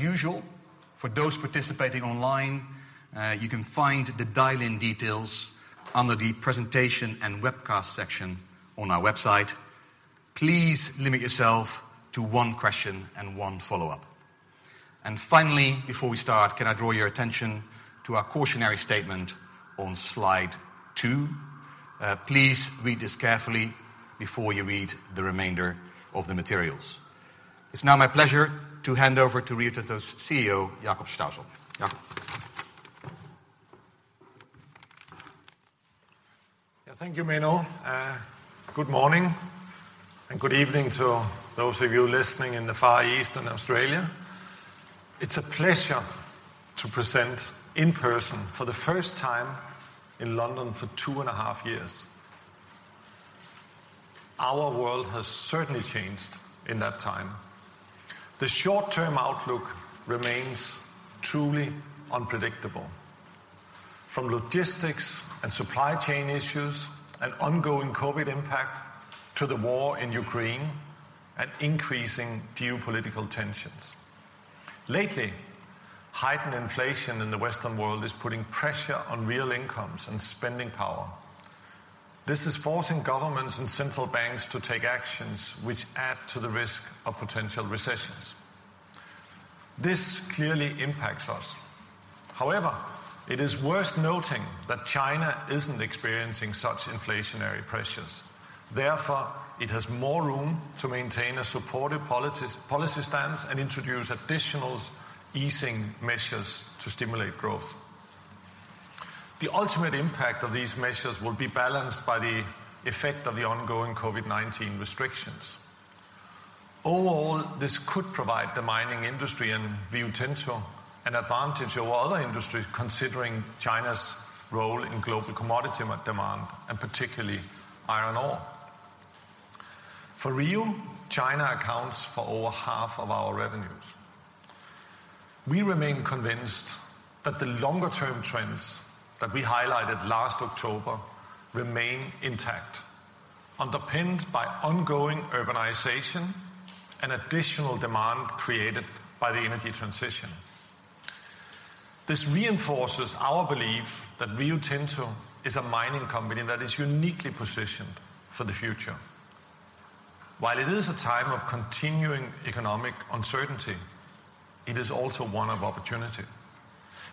As usual, for those participating online, you can find the dial-in details under the Presentation and Webcast section on our website. Please limit yourself to one question and one follow-up. Finally, before we start, can I draw your attention to our cautionary statement on slide two. Please read this carefully before you read the remainder of the materials. It's now my pleasure to hand over to Rio Tinto CEO Jakob Stausholm. Jakob. Yeah. Thank you, Menno. Good morning, and good evening to those of you listening in the Far East and Australia. It's a pleasure to present in person for the first time in London for two and a half years. Our world has certainly changed in that time. The short-term outlook remains truly unpredictable, from logistics and supply chain issues, and ongoing COVID impact, to the war in Ukraine, and increasing geopolitical tensions. Lately, heightened inflation in the Western world is putting pressure on real incomes and spending power. This is forcing governments and central banks to take actions which add to the risk of potential recessions. This clearly impacts us. However, it is worth noting that China isn't experiencing such inflationary pressures, therefore it has more room to maintain a supportive policy stance and introduce additional easing measures to stimulate growth. The ultimate impact of these measures will be balanced by the effect of the ongoing COVID-19 restrictions. Overall, this could provide the mining industry and Rio Tinto an advantage over other industries, considering China's role in global commodity market demand, and particularly iron ore. For Rio, China accounts for over half of our revenues. We remain convinced that the longer term trends that we highlighted last October remain intact, underpinned by ongoing urbanization and additional demand created by the energy transition. This reinforces our belief that Rio Tinto is a mining company that is uniquely positioned for the future. While it is a time of continuing economic uncertainty, it is also one of opportunity.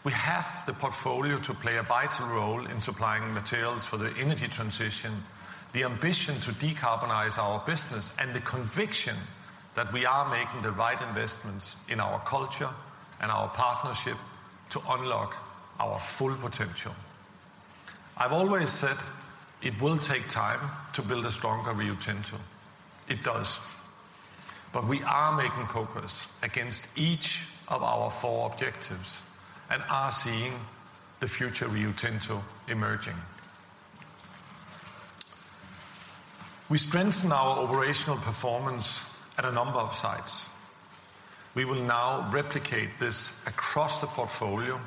We have the portfolio to play a vital role in supplying materials for the energy transition, the ambition to decarbonize our business, and the conviction that we are making the right investments in our culture and our partnership to unlock our full potential. I've always said it will take time to build a stronger Rio Tinto. It does. We are making progress against each of our four objectives, and are seeing the future Rio Tinto emerging. We strengthened our operational performance at a number of sites. We will now replicate this across the portfolio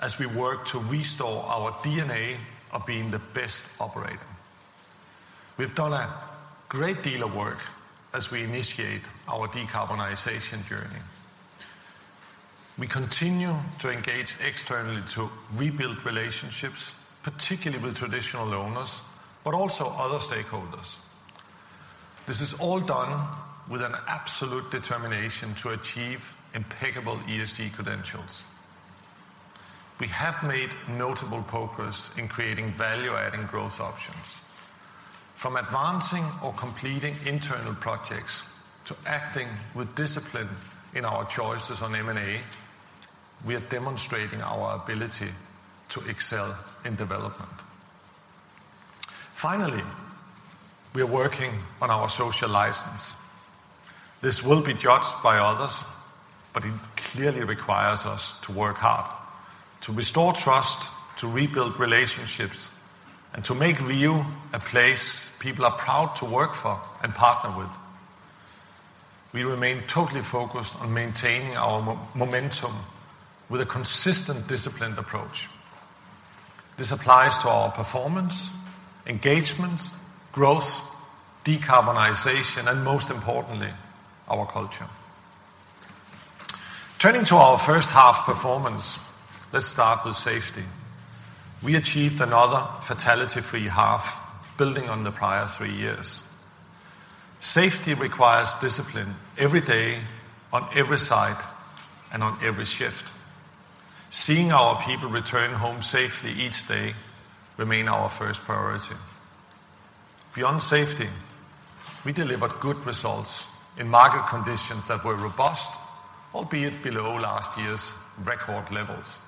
as we work to restore our DNA of being the best operator. We've done a great deal of work as we initiate our decarbonization journey. We continue to engage externally to rebuild relationships, particularly with traditional owners, but also other stakeholders. This is all done with an absolute determination to achieve impeccable ESG credentials. We have made notable progress in creating value-adding growth options. From advancing or completing internal projects, to acting with discipline in our choices on M&A, we are demonstrating our ability to excel in development. Finally, we are working on our social license. This will be judged by others, but it clearly requires us to work hard to restore trust, to rebuild relationships, and to make Rio a place people are proud to work for and partner with. We remain totally focused on maintaining our momentum with a consistent, disciplined approach. This applies to our performance, engagement, growth, decarbonization, and most importantly, our culture. Turning to our first half performance, let's start with safety. We achieved another fatality-free half, building on the prior three years. Safety requires discipline every day, on every site, and on every shift. Seeing our people return home safely each day remain our first priority. Beyond safety, we delivered good results in market conditions that were robust, albeit below last year's record levels.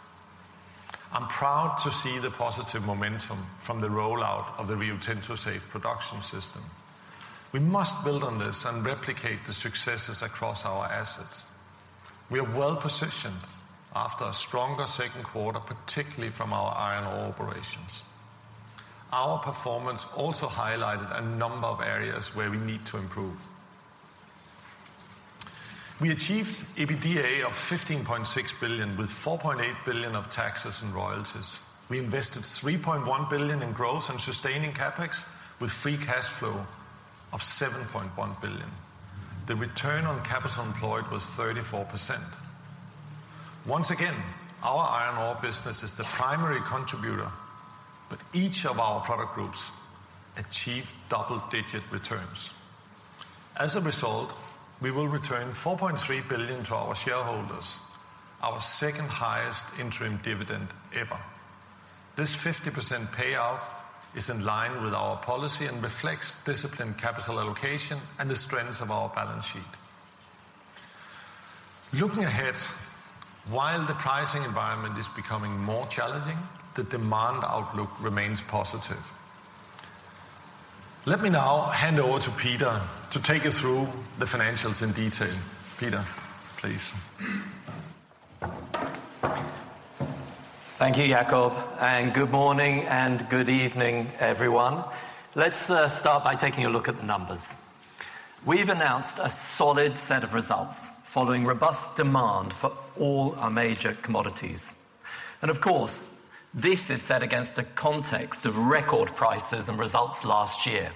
I'm proud to see the positive momentum from the rollout of the Rio Tinto Safe Production System. We must build on this and replicate the successes across our assets. We are well positioned after a stronger second quarter, particularly from our iron ore operations. Our performance also highlighted a number of areas where we need to improve. We achieved EBITDA of $15.6 billion, with $4.8 billion of taxes and royalties. We invested $3.1 billion in growth and sustaining CapEx, with free cash flow of $7.1 billion. The return on capital employed was 34%. Once again, our iron ore business is the primary contributor, but each of our product groups achieved double-digit returns. As a result, we will return $4.3 billion to our shareholders, our second highest interim dividend ever. This 50% payout is in line with our policy and reflects disciplined capital allocation and the strengths of our balance sheet. Looking ahead, while the pricing environment is becoming more challenging, the demand outlook remains positive. Let me now hand over to Peter to take you through the financials in detail. Peter, please. Thank you, Jakob, and good morning and good evening, everyone. Let's start by taking a look at the numbers. We've announced a solid set of results following robust demand for all our major commodities. Of course, this is set against a context of record prices and results last year.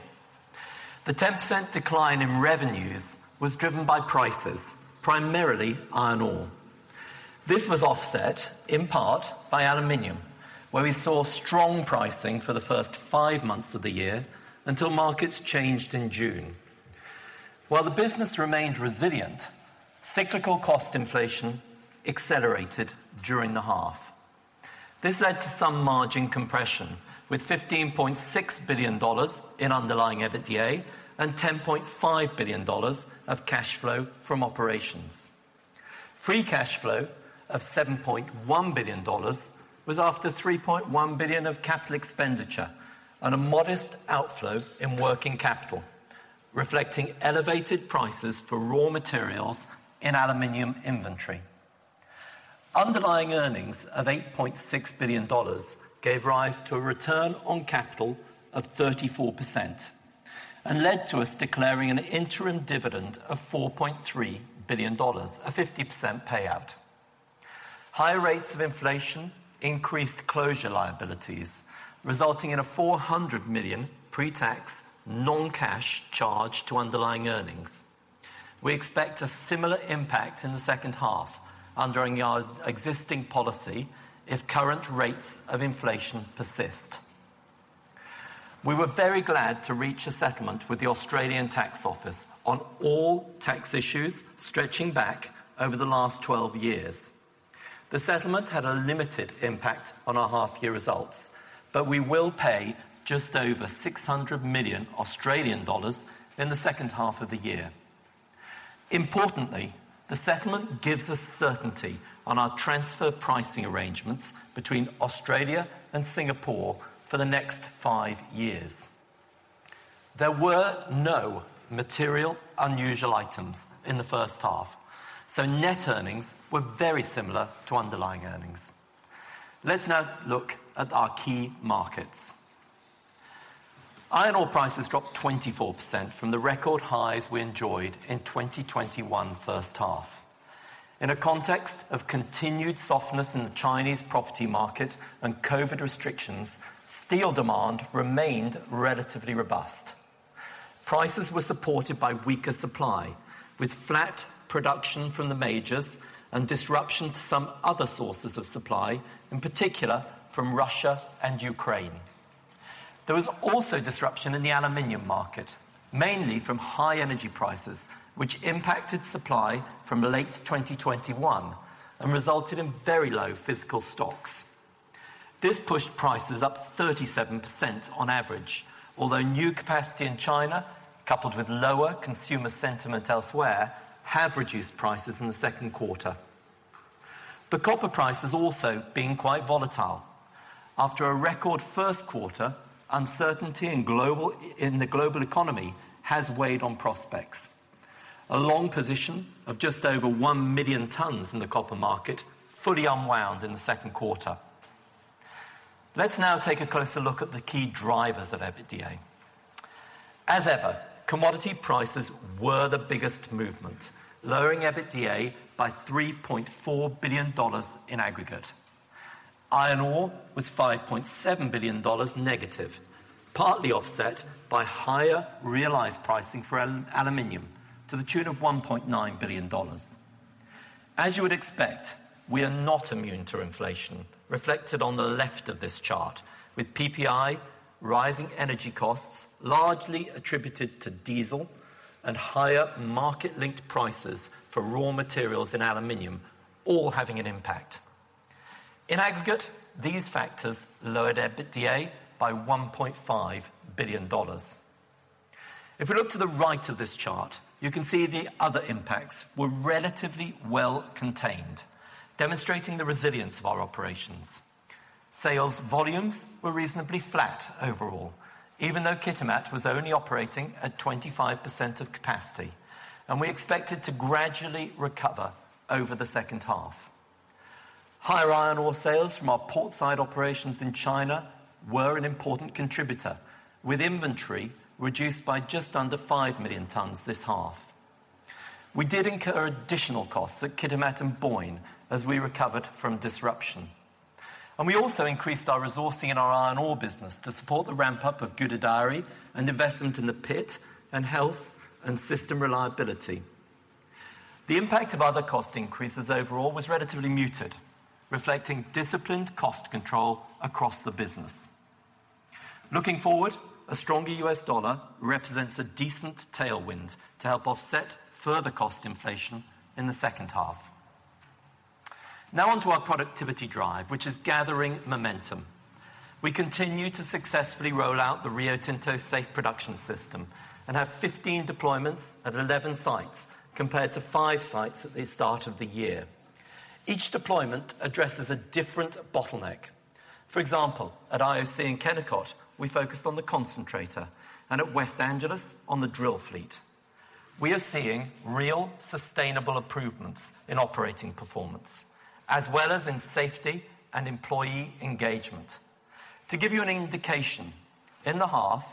The 10% decline in revenues was driven by prices, primarily iron ore. This was offset in part by aluminum, where we saw strong pricing for the first five months of the year until markets changed in June. While the business remained resilient, cyclical cost inflation accelerated during the half. This led to some margin compression with $15.6 billion in underlying EBITDA and $10.5 billion of cash flow from operations. Free cash flow of $7.1 billion was after $3.1 billion of capital expenditure and a modest outflow in working capital, reflecting elevated prices for raw materials in aluminum inventory. Underlying earnings of $8.6 billion gave rise to a return on capital of 34% and led to us declaring an interim dividend of $4.3 billion, a 50% payout. Higher rates of inflation increased closure liabilities, resulting in a $400 million pre-tax non-cash charge to underlying earnings. We expect a similar impact in the second half under our existing policy if current rates of inflation persist. We were very glad to reach a settlement with the Australian Taxation Office on all tax issues stretching back over the last 12 years. The settlement had a limited impact on our half year results, but we will pay just over 600 million Australian dollars in the second half of the year. Importantly, the settlement gives us certainty on our transfer pricing arrangements between Australia and Singapore for the next five years. There were no material unusual items in the first half, so net earnings were very similar to underlying earnings. Let's now look at our key markets. Iron ore prices dropped 24% from the record highs we enjoyed in 2021 first half. In a context of continued softness in the Chinese property market and COVID restrictions, steel demand remained relatively robust. Prices were supported by weaker supply, with flat production from the majors and disruption to some other sources of supply, in particular from Russia and Ukraine. There was also disruption in the aluminum market, mainly from high energy prices, which impacted supply from late 2021 and resulted in very low physical stocks. This pushed prices up 37% on average, although new capacity in China, coupled with lower consumer sentiment elsewhere, have reduced prices in the second quarter. The copper price has also been quite volatile. After a record first quarter, uncertainty in the global economy has weighed on prospects. A long position of just over 1,000,000 tons in the copper market fully unwound in the second quarter. Let's now take a closer look at the key drivers of EBITDA. As ever, commodity prices were the biggest movement, lowering EBITDA by $3.4 billion in aggregate. Iron ore was -$5.7 billion, partly offset by higher realized pricing for aluminum to the tune of $1.9 billion. As you would expect, we are not immune to inflation, reflected on the left of this chart, with PPI, rising energy costs, largely attributed to diesel and higher market-linked prices for raw materials in aluminum all having an impact. In aggregate, these factors lowered EBITDA by $1.5 billion. If we look to the right of this chart, you can see the other impacts were relatively well contained, demonstrating the resilience of our operations. Sales volumes were reasonably flat overall, even though Kitimat was only operating at 25% of capacity, and we expect it to gradually recover over the second half. Higher iron ore sales from our port-side operations in China were an important contributor, with inventory reduced by just under 5 million tons this half. We did incur additional costs at Kitimat and Boyne as we recovered from disruption. We also increased our resourcing in our iron ore business to support the ramp-up of Gudai-Darri and investment in the pit and health and system reliability. The impact of other cost increases overall was relatively muted, reflecting disciplined cost control across the business. Looking forward, a stronger US dollar represents a decent tailwind to help offset further cost inflation in the second half. Now on to our productivity drive, which is gathering momentum. We continue to successfully roll out the Rio Tinto Safe Production System and have 15 deployments at 11 sites compared to five sites at the start of the year. Each deployment addresses a different bottleneck. For example, at IOC and Kennecott, we focused on the concentrator and at West Angelas on the drill fleet. We are seeing real sustainable improvements in operating performance, as well as in safety and employee engagement. To give you an indication, in the half,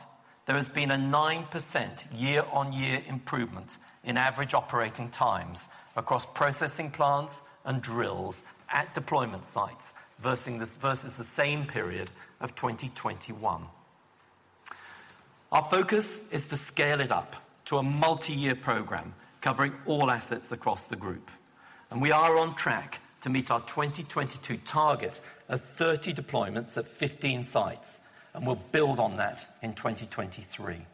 there has been a 9% year-on-year improvement in average operating times across processing plants and drills at deployment sites versus the same period of 2021. Our focus is to scale it up to a multi-year program covering all assets across the group, and we are on track to meet our 2022 target of 30 deployments at 15 sites, and we'll build on that in 2023.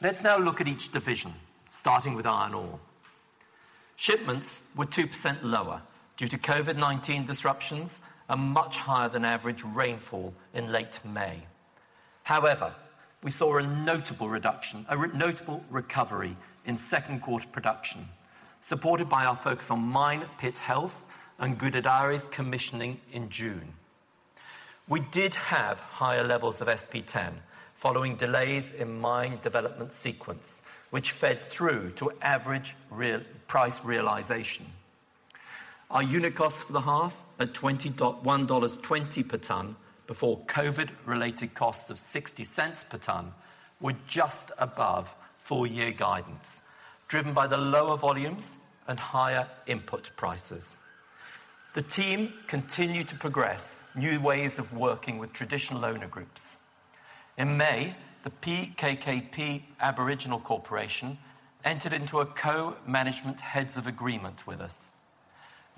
Let's now look at each division, starting with iron ore. Shipments were 2% lower due to COVID-19 disruptions and much higher than average rainfall in late May. However, we saw a notable recovery in second quarter production, supported by our focus on mine pit health and Gudai-Darri's commissioning in June. We did have higher levels of SP10 following delays in mine development sequence, which fed through to average realized price. Our unit cost for the half at $21.20 per ton before COVID-related costs of $0.60 per ton were just above full-year guidance, driven by the lower volumes and higher input prices. The team continued to progress new ways of working with traditional owner groups. In May, the PKKP Aboriginal Corporation entered into a co-management heads of agreement with us.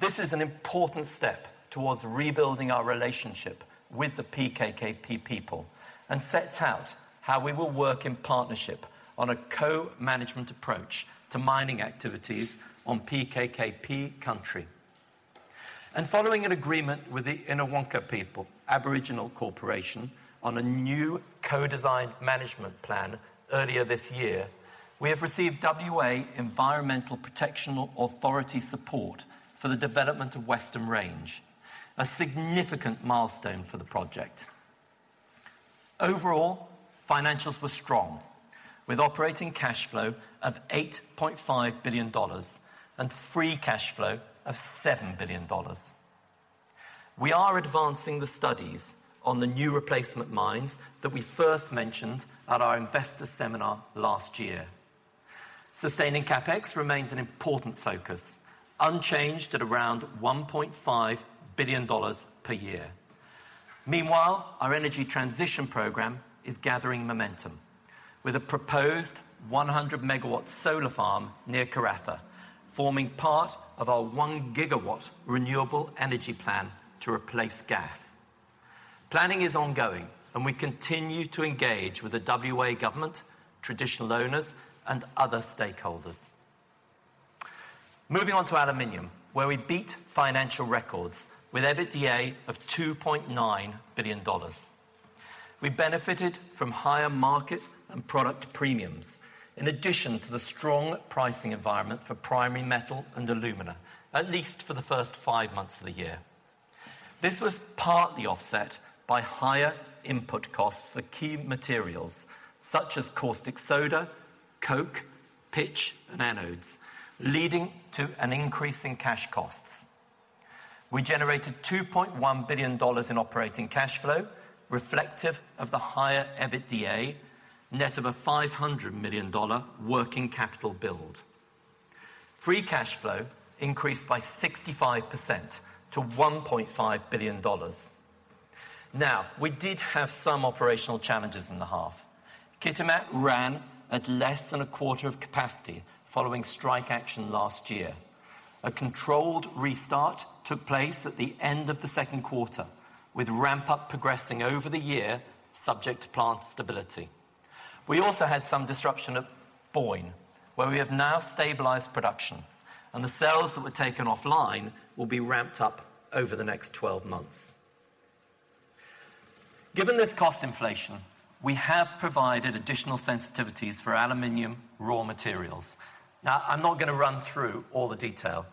This is an important step towards rebuilding our relationship with the PKKP people and sets out how we will work in partnership on a co-management approach to mining activities on PKKP country. Following an agreement with the Yinhawangka People Aboriginal Corporation on a new co-designed management plan earlier this year, we have received WA Environmental Protection Authority support for the development of Western Range, a significant milestone for the project. Overall, financials were strong, with operating cash flow of $8.5 billion and free cash flow of $7 billion. We are advancing the studies on the new replacement mines that we first mentioned at our investor seminar last year. Sustaining CapEx remains an important focus, unchanged at around $1.5 billion per year. Meanwhile, our energy transition program is gathering momentum with a proposed 100-MW solar farm near Karratha, forming part of our 1-GW renewable energy plan to replace gas. Planning is ongoing, and we continue to engage with the WA government, traditional owners, and other stakeholders. Moving on to aluminum, where we beat financial records with EBITDA of $2.9 billion. We benefited from higher market and product premiums, in addition to the strong pricing environment for primary metal and alumina, at least for the first five months of the year. This was partly offset by higher input costs for key materials such as caustic soda, coke, pitch, and anodes, leading to an increase in cash costs. We generated $2.1 billion in operating cash flow, reflective of the higher EBITDA, net of a $500 million working capital build. Free cash flow increased by 65% to $1.5 billion. Now, we did have some operational challenges in the half. Kitimat ran at less than a quarter of capacity following strike action last year. A controlled restart took place at the end of the second quarter, with ramp-up progressing over the year subject to plant stability. We also had some disruption at Boyne, where we have now stabilized production, and the cells that were taken offline will be ramped up over the next 12 months. Given this cost inflation, we have provided additional sensitivities for aluminum raw materials. Now, I'm not gonna run through all the detail,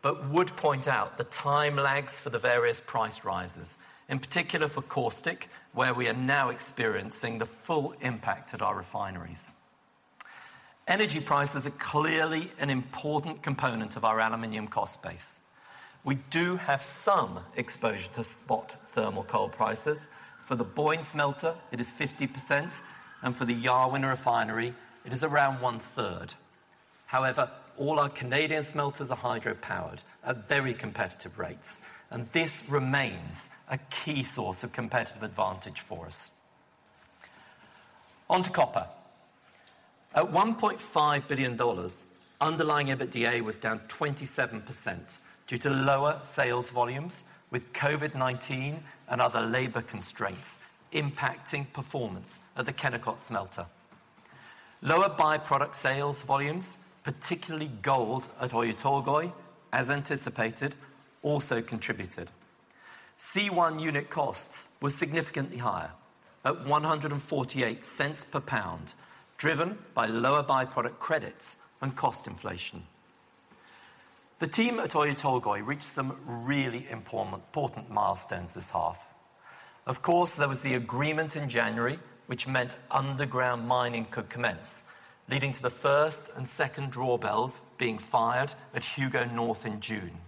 but would point out the time lags for the various price rises, in particular for caustic, where we are now experiencing the full impact at our refineries. Energy prices are clearly an important component of our aluminum cost base. We do have some exposure to spot thermal coal prices. For the Boyne Smelter, it is 50%, and for the Yarwun Refinery, it is around one-third. However, all our Canadian smelters are hydro-powered at very competitive rates, and this remains a key source of competitive advantage for us. On to copper. At $1.5 billion, underlying EBITDA was down 27% due to lower sales volumes with COVID-19 and other labor constraints impacting performance at the Kennecott Smelter. Lower by-product sales volumes, particularly gold at Oyu Tolgoi, as anticipated, also contributed. C1 unit costs were significantly higher at $1.48 per pound, driven by lower by-product credits and cost inflation. The team at Oyu Tolgoi reached some really important milestones this half. Of course, there was the agreement in January, which meant underground mining could commence, leading to the first and second drawbells being fired at Hugo North in June.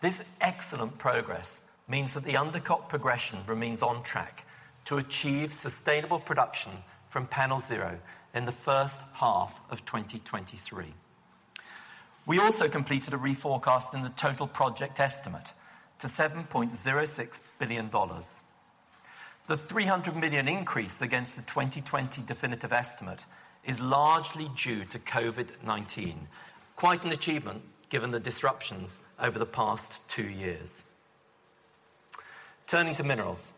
This excellent progress means that the undercut progression remains on track to achieve sustainable production from Panel Zero in the first half of 2023. We also completed a reforecast in the total project estimate to $7.06 billion. The $300 million increase against the 2020 definitive estimate is largely due to COVID-19. Quite an achievement given the disruptions over the past two years. Turning to minerals.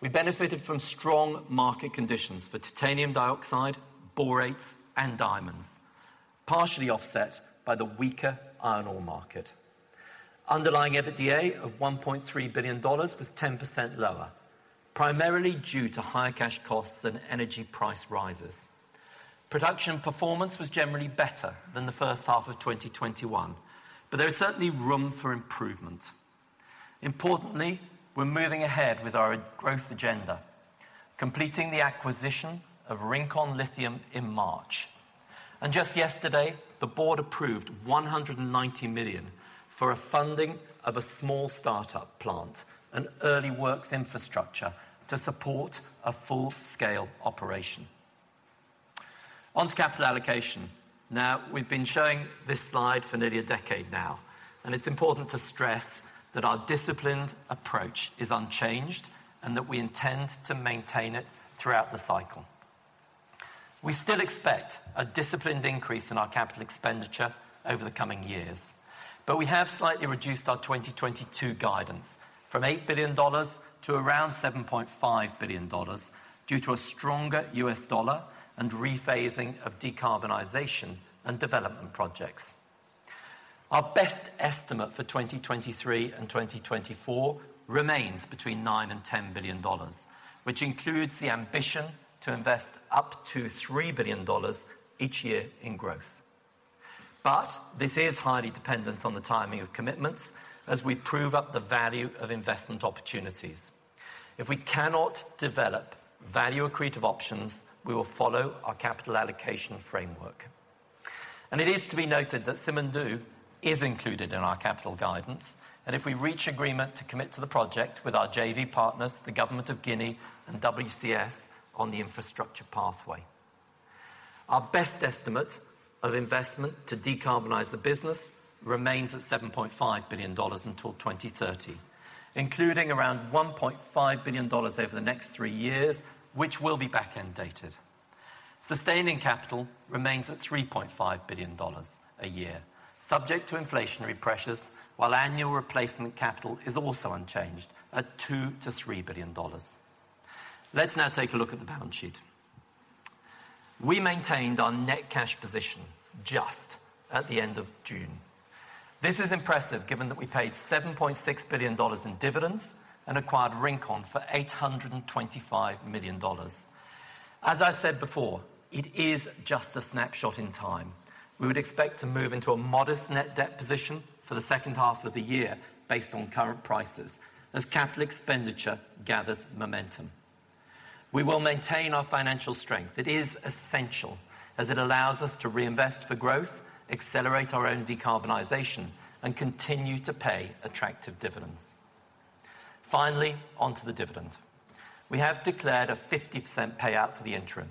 We benefited from strong market conditions for titanium dioxide, borates, and diamonds, partially offset by the weaker iron ore market. Underlying EBITDA of $1.3 billion was 10% lower, primarily due to higher cash costs and energy price rises. Production performance was generally better than the first half of 2021, but there is certainly room for improvement. Importantly, we're moving ahead with our growth agenda, completing the acquisition of Rincon Lithium in March. Just yesterday, the board approved $190 million for a funding of a small startup plant and early works infrastructure to support a full-scale operation. On to capital allocation. Now, we've been showing this slide for nearly a decade now, and it's important to stress that our disciplined approach is unchanged and that we intend to maintain it throughout the cycle. We still expect a disciplined increase in our capital expenditure over the coming years, but we have slightly reduced our 2022 guidance from $8 billion to around $7.5 billion due to a stronger US dollar and rephasing of decarbonization and development projects. Our best estimate for 2023 and 2024 remains between $9 billion and $10 billion, which includes the ambition to invest up to $3 billion each year in growth. This is highly dependent on the timing of commitments as we prove up the value of investment opportunities. If we cannot develop value-accretive options, we will follow our capital allocation framework. It is to be noted that Simandou is included in our capital guidance, and if we reach agreement to commit to the project with our JV partners, the government of Guinea and WCS on the infrastructure pathway. Our best estimate of investment to decarbonize the business remains at $7.5 billion until 2030, including around $1.5 billion over the next three years, which will be back-end dated. Sustaining capital remains at $3.5 billion a year, subject to inflationary pressures, while annual replacement capital is also unchanged at $2 billion-$3 billion. Let's now take a look at the balance sheet. We maintained our net cash position just at the end of June. This is impressive given that we paid $7.6 billion in dividends and acquired Rincon for $825 million. As I've said before, it is just a snapshot in time. We would expect to move into a modest net debt position for the second half of the year based on current prices as capital expenditure gathers momentum. We will maintain our financial strength. It is essential as it allows us to reinvest for growth, accelerate our own decarbonization, and continue to pay attractive dividends. Finally, on to the dividend. We have declared a 50% payout for the interim,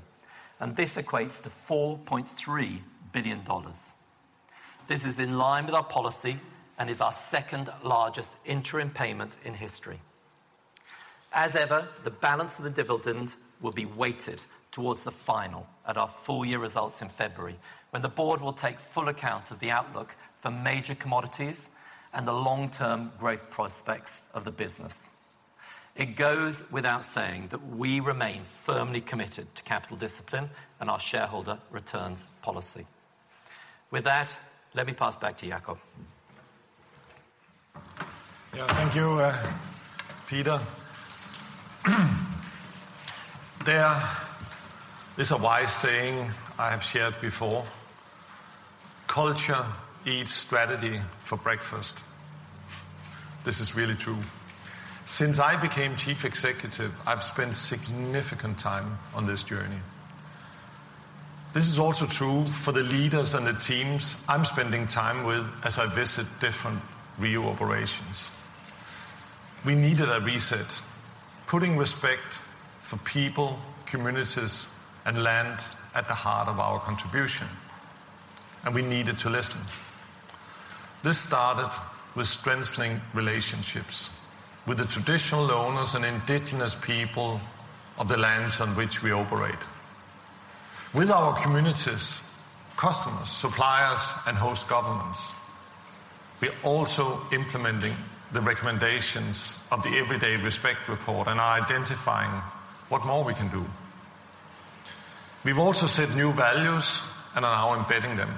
and this equates to $4.3 billion. This is in line with our policy and is our second-largest interim payment in history. As ever, the balance of the dividend will be weighted towards the final at our full year results in February, when the board will take full account of the outlook for major commodities and the long-term growth prospects of the business. It goes without saying that we remain firmly committed to capital discipline and our shareholder returns policy. With that, let me pass back to Jakob. Yeah, thank you, Peter. There is a wise saying I have shared before, "Culture eats strategy for breakfast." This is really true. Since I became chief executive, I've spent significant time on this journey. This is also true for the leaders and the teams I'm spending time with as I visit different Rio operations. We needed a reset, putting respect for people, communities, and land at the heart of our contribution, and we needed to listen. This started with strengthening relationships with the traditional owners and indigenous people of the lands on which we operate. With our communities, customers, suppliers, and host governments, we're also implementing the recommendations of the Everyday Respect report and are identifying what more we can do. We've also set new values and are now embedding them.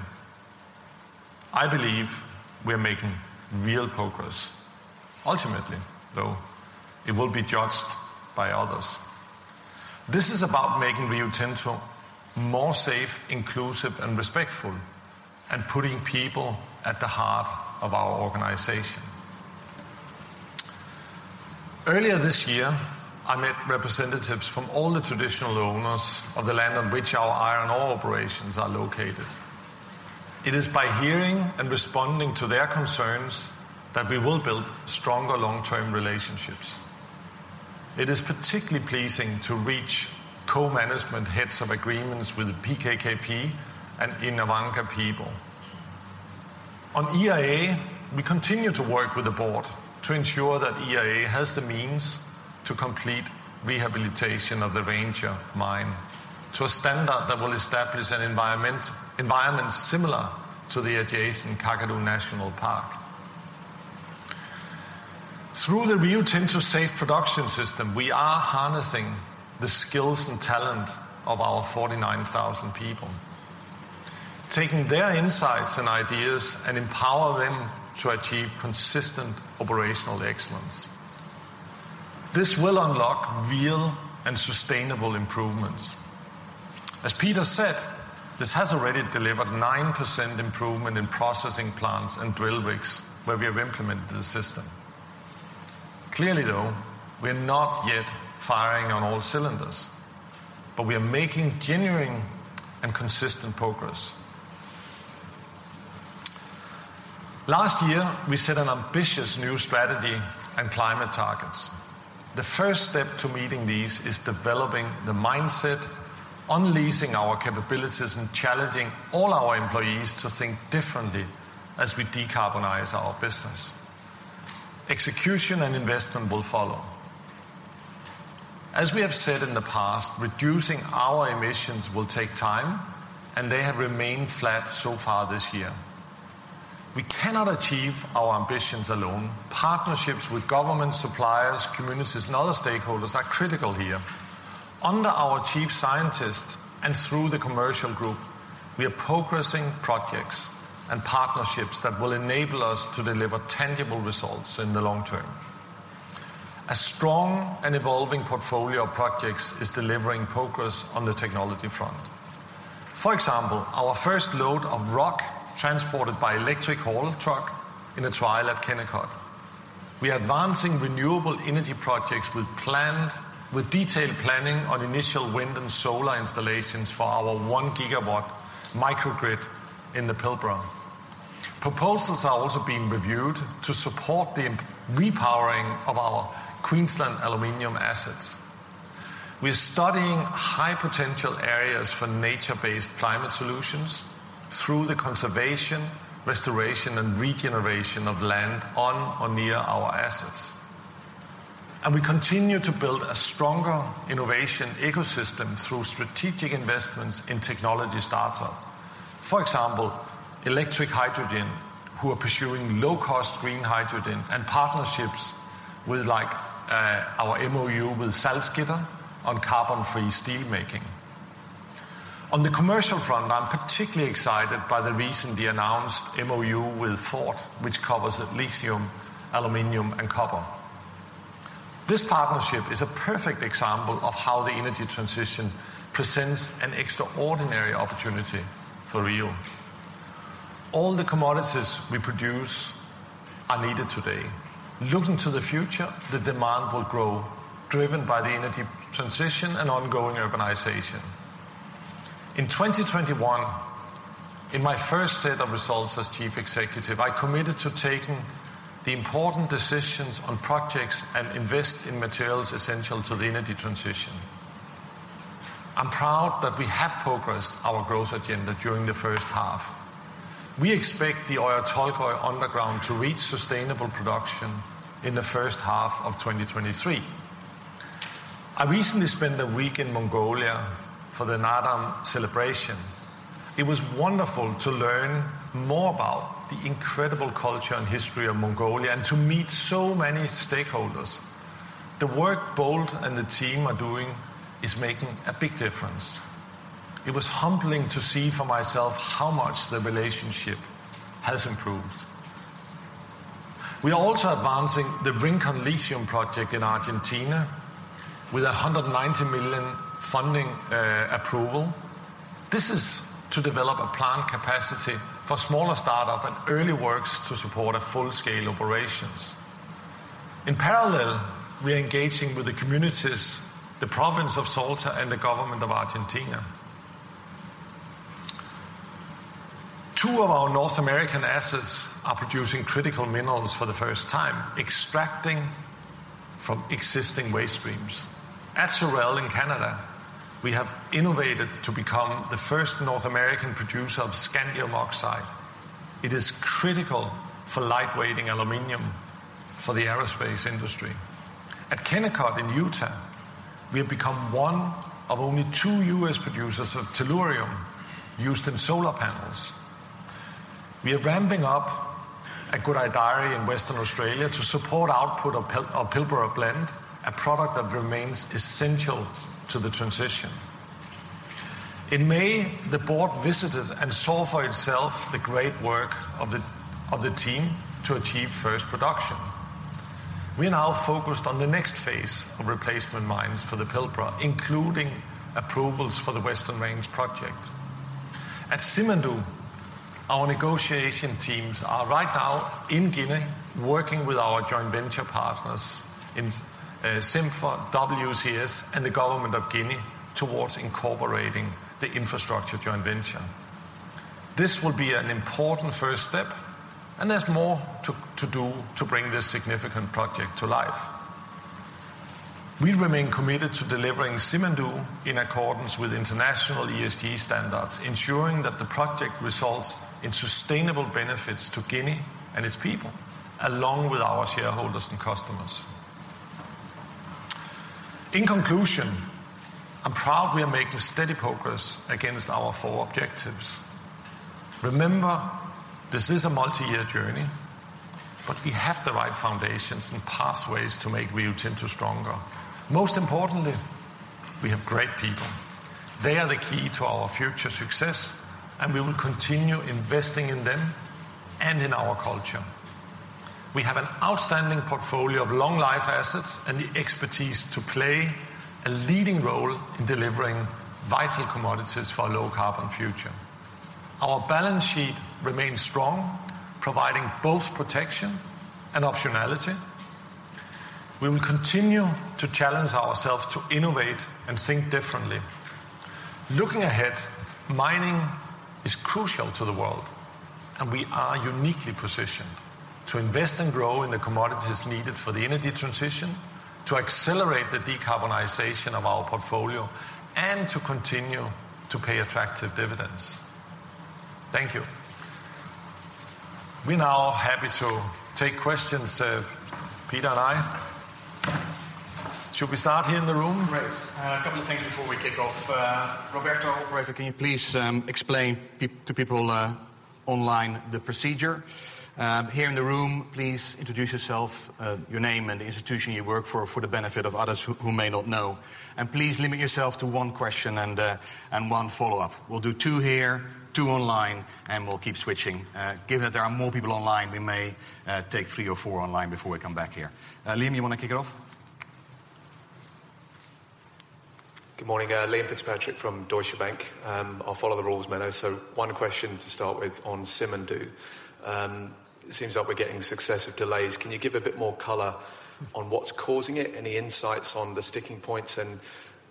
I believe we're making real progress. Ultimately, though, it will be judged by others. This is about making Rio Tinto more safe, inclusive, and respectful, and putting people at the heart of our organization. Earlier this year, I met representatives from all the traditional owners of the land on which our iron ore operations are located. It is by hearing and responding to their concerns that we will build stronger long-term relationships. It is particularly pleasing to reach co-management heads of agreements with the PKKP and Yinhawangka people. On EIA, we continue to work with the board to ensure that EIA has the means to complete rehabilitation of the Ranger mine to a standard that will establish an environment similar to the adjacent Kakadu National Park. Through the Rio Tinto Safe Production System, we are harnessing the skills and talent of our 49,000 people, taking their insights and ideas and empower them to achieve consistent operational excellence. This will unlock real and sustainable improvements. As Peter said, this has already delivered 9% improvement in processing plants and drill rigs where we have implemented the system. Clearly, though, we're not yet firing on all cylinders, but we are making genuine and consistent progress. Last year, we set an ambitious new strategy and climate targets. The first step to meeting these is developing the mindset, unleashing our capabilities, and challenging all our employees to think differently as we decarbonize our business. Execution and investment will follow. As we have said in the past, reducing our emissions will take time, and they have remained flat so far this year. We cannot achieve our ambitions alone. Partnerships with government, suppliers, communities, and other stakeholders are critical here. Under our chief scientist and through the commercial group, we are progressing projects and partnerships that will enable us to deliver tangible results in the long term. A strong and evolving portfolio of projects is delivering progress on the technology front. For example, our first load of rock transported by electric haul truck in a trial at Kennecott. We are advancing renewable energy projects with detailed planning on initial wind and solar installations for our 1 GW microgrid in the Pilbara. Proposals are also being reviewed to support the repowering of our Queensland aluminum assets. We're studying high-potential areas for nature-based climate solutions through the conservation, restoration, and regeneration of land on or near our assets. We continue to build a stronger innovation ecosystem through strategic investments in technology startup. For example, Electric Hydrogen, who are pursuing low-cost green hydrogen, and partnerships with like, our MoU with Salzgitter on carbon-free steel making. On the commercial front, I'm particularly excited by the recently announced MoU with Ford, which covers lithium, aluminum, and copper. This partnership is a perfect example of how the energy transition presents an extraordinary opportunity for Rio. All the commodities we produce are needed today. Looking to the future, the demand will grow, driven by the energy transition and ongoing urbanization. In 2021, in my first set of results as chief executive, I committed to taking the important decisions on projects and invest in materials essential to the energy transition. I'm proud that we have progressed our growth agenda during the first half. We expect the Oyu Tolgoi underground to reach sustainable production in the first half of 2023. I recently spent a week in Mongolia for the Naadam celebration. It was wonderful to learn more about the incredible culture and history of Mongolia and to meet so many stakeholders. The work Bold and the team are doing is making a big difference. It was humbling to see for myself how much the relationship has improved. We are also advancing the Rincon Lithium project in Argentina with $190 million funding approval. This is to develop a plant capacity for smaller start-up and early works to support a full-scale operations. In parallel, we are engaging with the communities, the province of Salta, and the government of Argentina. Two of our North American assets are producing critical minerals for the first time, extracting from existing waste streams. At Sorel in Canada, we have innovated to become the first North American producer of scandium oxide. It is critical for lightweighting aluminum for the aerospace industry. At Kennecott in Utah, we have become one of only two U.S. producers of tellurium used in solar panels. We are ramping up at Gudai-Darri in Western Australia to support output of Pilbara Blend, a product that remains essential to the transition. In May, the board visited and saw for itself the great work of the team to achieve first production. We are now focused on the next phase of replacement mines for the Pilbara, including approvals for the Western Range project. At Simandou, our negotiation teams are right now in Guinea working with our joint venture partners in SimFer, WCS, and the government of Guinea towards incorporating the infrastructure joint venture. This will be an important first step, and there's more to do to bring this significant project to life. We remain committed to delivering Simandou in accordance with international ESG standards, ensuring that the project results in sustainable benefits to Guinea and its people, along with our shareholders and customers. In conclusion, I'm proud we are making steady progress against our four objectives. Remember, this is a multi-year journey, but we have the right foundations and pathways to make Rio Tinto stronger. Most importantly, we have great people. They are the key to our future success, and we will continue investing in them and in our culture. We have an outstanding portfolio of long life assets and the expertise to play a leading role in delivering vital commodities for a low carbon future. Our balance sheet remains strong, providing both protection and optionality. We will continue to challenge ourselves to innovate and think differently. Looking ahead, mining is crucial to the world, and we are uniquely positioned to invest and grow in the commodities needed for the energy transition, to accelerate the decarbonization of our portfolio, and to continue to pay attractive dividends. Thank you. We're now happy to take questions, Peter and I. Should we start here in the room? Great. A couple of things before we kick off. Roberto, operator, can you please explain to people online the procedure? Here in the room, please introduce yourself, your name and the institution you work for the benefit of others who may not know. Please limit yourself to one question and one follow-up. We'll do two here, two online, and we'll keep switching. Given that there are more people online, we may take three or four online before we come back here. Liam, you wanna kick it off? Good morning. Liam Fitzpatrick from Deutsche Bank. I'll follow the rules, Menno. One question to start with on Simandou. It seems like we're getting successive delays. Can you give a bit more color on what's causing it? Any insights on the sticking points, and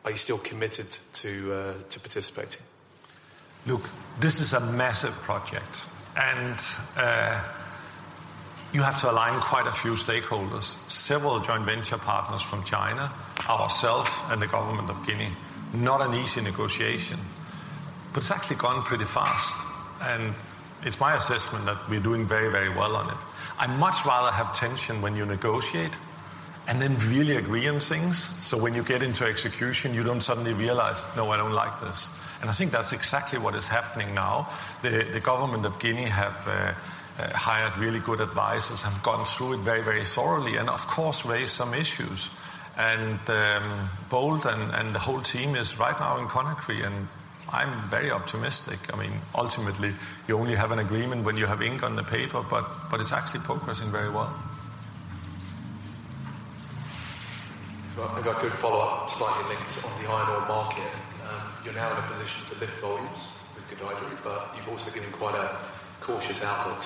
are you still committed to participating? Look, this is a massive project, and you have to align quite a few stakeholders. Several joint venture partners from China, ourself, and the government of Guinea. Not an easy negotiation, but it's actually gone pretty fast, and it's my assessment that we're doing very, very well on it. I'd much rather have tension when you negotiate and then really agree on things, so when you get into execution, you don't suddenly realize, "No, I don't like this." I think that's exactly what is happening now. The government of Guinea have hired really good advisors, have gone through it very, very thoroughly, and of course raised some issues. Bold and the whole team is right now in Conakry, and I'm very optimistic. I mean, ultimately, you only have an agreement when you have ink on the paper, but it's actually progressing very well. If I could follow up slightly, maybe it's on the iron ore market. You're now in a position to lift volumes with Gudai-Darri, but you've also given quite a cautious outlook.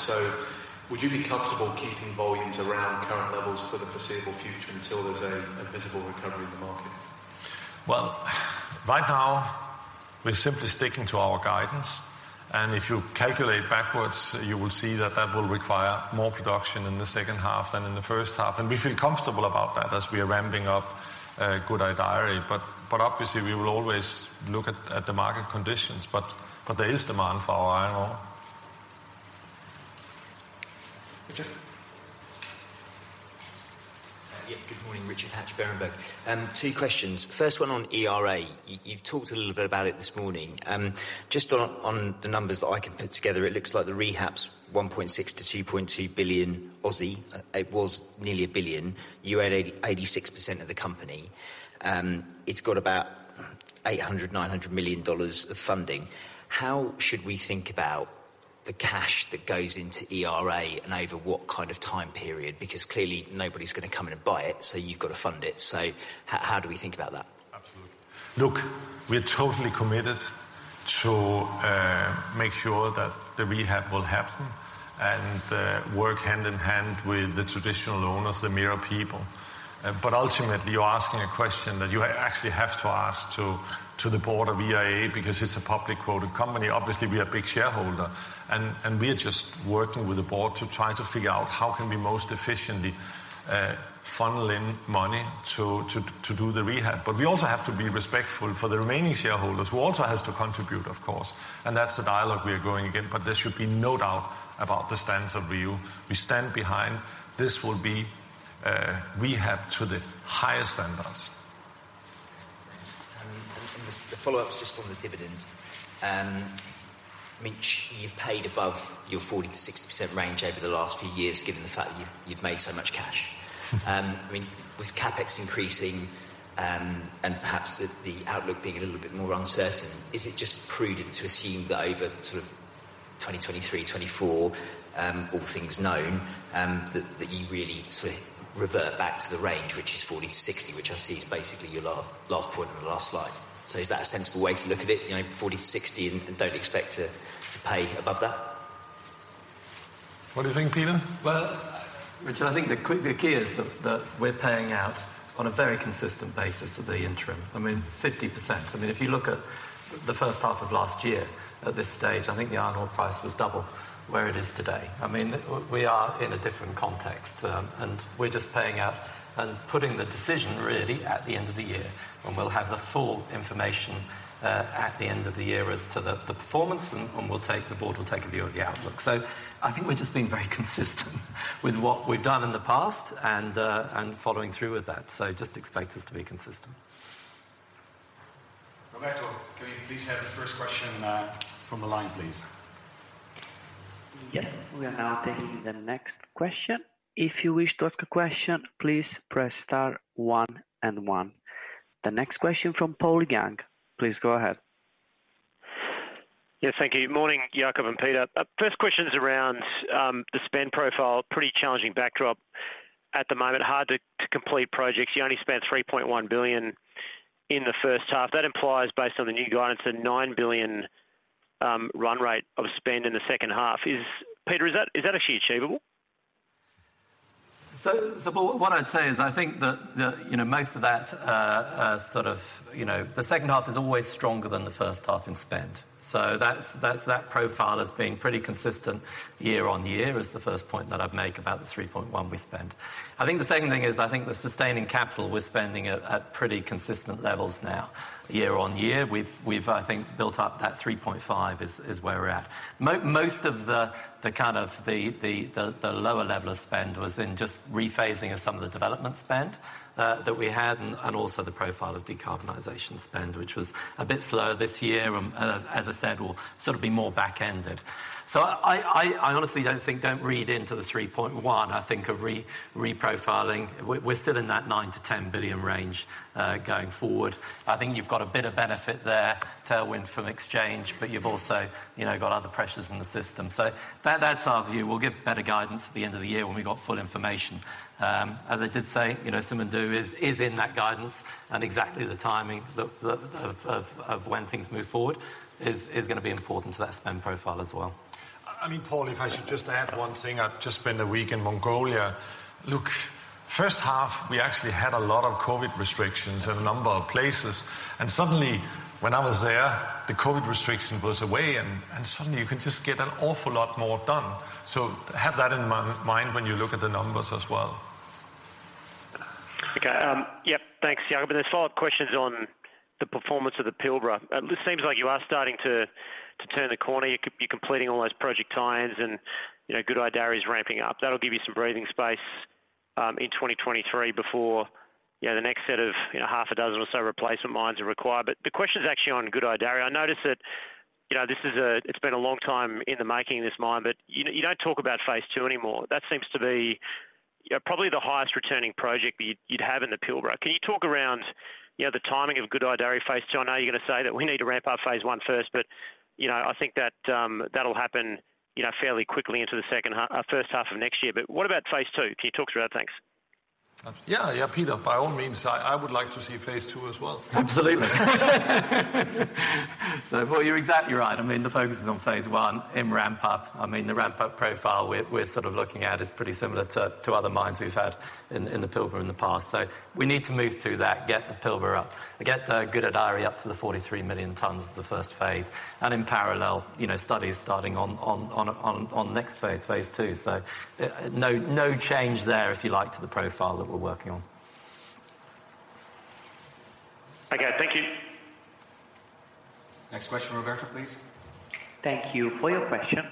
Would you be comfortable keeping volumes around current levels for the foreseeable future until there's a visible recovery in the market? Well, right now, we're simply sticking to our guidance, and if you calculate backwards, you will see that that will require more production in the second half than in the first half. We feel comfortable about that as we are ramping up Gudai-Darri. Obviously we will always look at the market conditions, but there is demand for our iron ore. Richard. Yeah. Good morning, Richard Hatch, Berenberg. Two questions. First one on ERA. You, you've talked a little bit about it this morning. Just on the numbers that I can put together, it looks like the rehab's 1.6 billion-2.2 billion. It was nearly 1 billion. You own 86% of the company. It's got about 800 million-900 million dollars of funding. How should we think about the cash that goes into ERA and over what kind of time period? Because clearly nobody's gonna come in and buy it, so you've got to fund it. How do we think about that? Look, we're totally committed to make sure that the rehab will happen and work hand in hand with the traditional owners, the Mirarr people. Ultimately, you're asking a question that you actually have to ask to the board of ERA because it's a publicly quoted company. Obviously, we are a big shareholder and we are just working with the board to try to figure out how can we most efficiently funnel in money to do the rehab. We also have to be respectful of the remaining shareholders who also has to contribute, of course. That's the dialogue we are going again. There should be no doubt about the stance or view we stand behind. This will be a rehab to the highest standards. Thanks. The follow-up is just on the dividend. I mean, you've paid above your 40%-60% range over the last few years, given the fact that you've made so much cash. I mean, with CapEx increasing, and perhaps the outlook being a little bit more uncertain, is it just prudent to assume that over sort of 2023-2024, all things known, that you really sort of revert back to the range, which is 40%-60%, which I see is basically your last point on the last slide. Is that a sensible way to look at it? You know, 40%-60% and don't expect to pay above that. What do you think, Peter? Well, Richard, I think the key is that we're paying out on a very consistent basis for the interim. I mean, 50%. I mean, if you look at the first half of last year at this stage, I think the iron ore price was double where it is today. I mean, we are in a different context, and we're just paying out and putting the decision really at the end of the year when we'll have the full information at the end of the year as to the performance, and the board will take a view of the outlook. I think we're just being very consistent with what we've done in the past and following through with that. Just expect us to be consistent. Roberto, can we please have the first question from the line, please? Yes, we are now taking the next question. If you wish to ask a question, please press star one and one. The next question from Paul Young. Please go ahead. Yes, thank you. Morning, Jakob and Peter. First question is around the spend profile. Pretty challenging backdrop at the moment. Hard to complete projects. You only spent $3.1 billion in the first half. That implies, based on the new guidance, a $9 billion run rate of spend in the second half. Peter, is that actually achievable? What I'd say is, I think that the, you know, most of that, sort of, you know, the second half is always stronger than the first half in spend. That's that profile as being pretty consistent year-on-year is the first point that I'd make about the $3.1 billion we spent. I think the second thing is, I think the sustaining capital we're spending at pretty consistent levels now year-on-year. We've I think built up that $3.5 billion is where we're at. Most of the kind of lower level of spend was in just rephasing of some of the development spend that we had and also the profile of decarbonization spend, which was a bit slower this year. As I said, will sort of be more back-ended. I honestly don't read into the $3.1 billion. I think a reprofiling. We're still in that $9-$10 billion range going forward. I think you've got a bit of benefit there, tailwind from exchange, but you've also, you know, got other pressures in the system. That's our view. We'll give better guidance at the end of the year when we've got full information. As I did say, you know, Simandou is in that guidance and exactly the timing of when things move forward is gonna be important to that spend profile as well. I mean, Paul, if I should just add one thing. I've just spent a week in Mongolia. Look, first half we actually had a lot of COVID restrictions in a number of places, and suddenly when I was there, the COVID restriction was away and suddenly you can just get an awful lot more done. Have that in mind when you look at the numbers as well. Okay. Thanks, Jakob. The follow-up question is on the performance of the Pilbara. This seems like you are starting to to turn the corner. You could be completing all those project ties and, you know, Gudai-Darri is ramping up. That'll give you some breathing space in 2023 before, you know, the next set of, you know, half a dozen or so replacement mines are required. The question is actually on Gudai-Darri. I noticed that, you know, it's been a long time in the making, this mine, but you don't talk about phase two anymore. That seems to be, you know, probably the highest returning project you'd have in the Pilbara. Can you talk about, you know, the timing of Gudai-Darri phase two? I know you're gonna say that we need to ramp up phase one first, but, you know, I think that'll happen, you know, fairly quickly into the second half, first half of next year. What about phase two? Can you talk through that? Thanks. Yeah. Yeah, Peter, by all means. I would like to see phase two as well. Absolutely. Well, you're exactly right. I mean, the focus is on phase one in ramp up. I mean, the ramp up profile we're sort of looking at is pretty similar to other mines we've had in the Pilbara in the past. We need to move through that, get the Pilbara up, get Gudai-Darri up to 43 million tons of the first phase. In parallel, you know, studies starting on next phase two. No change there, if you like, to the profile that we're working on. Okay. Thank you. Next question, Roberto, please. Thank you for your question.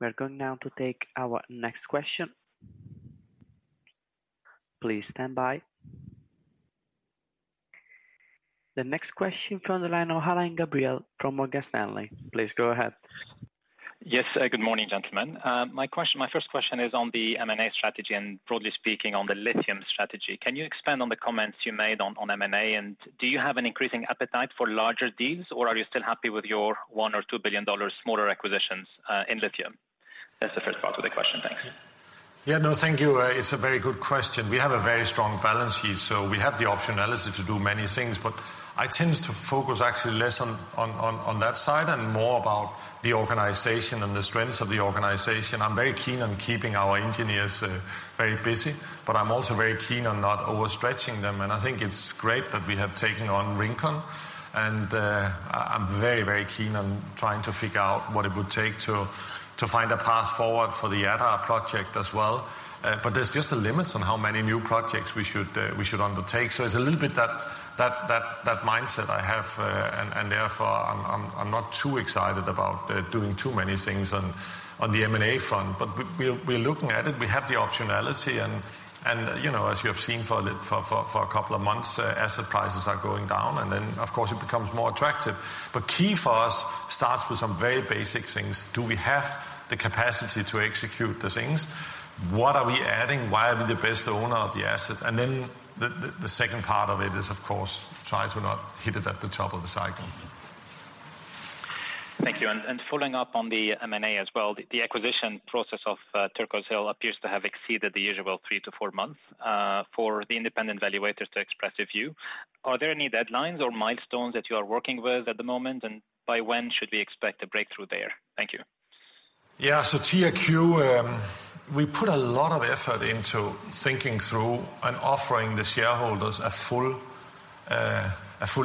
We're going now to take our next question. Please stand by. The next question from the line of Alain Gabriel from Morgan Stanley. Please go ahead. Yes. Good morning, gentlemen. My question, my first question is on the M&A strategy, and broadly speaking, on the lithium strategy. Can you expand on the comments you made on M&A? And do you have an increasing appetite for larger deals, or are you still happy with your $1 billion-$2 billion smaller acquisitions in lithium? That's the first part of the question. Thanks. Yeah, no, thank you. It's a very good question. We have a very strong balance sheet, so we have the optionality to do many things. I tend to focus actually less on that side and more about the organization and the strengths of the organization. I'm very keen on keeping our engineers very busy, but I'm also very keen on not overstretching them, and I think it's great that we have taken on Rincon. I'm very, very keen on trying to figure out what it would take to find a path forward for the Jadar project as well. There's just the limits on how many new projects we should undertake. It's a little bit that mindset I have, and therefore I'm not too excited about doing too many things on the M&A front. We're looking at it. We have the optionality and, you know, as you have seen for a couple of months, asset prices are going down, and then of course it becomes more attractive. Key for us starts with some very basic things. Do we have the capacity to execute the things? What are we adding? Why are we the best owner of the asset? Then the second part of it is, of course, try to not hit it at the top of the cycle. Thank you. Following up on the M&A as well, the acquisition process of Turquoise Hill appears to have exceeded the usual three to four months for the independent evaluators to express a view. Are there any deadlines or milestones that you are working with at the moment? By when should we expect a breakthrough there? Thank you. TRQ, we put a lot of effort into thinking through and offering the shareholders a fully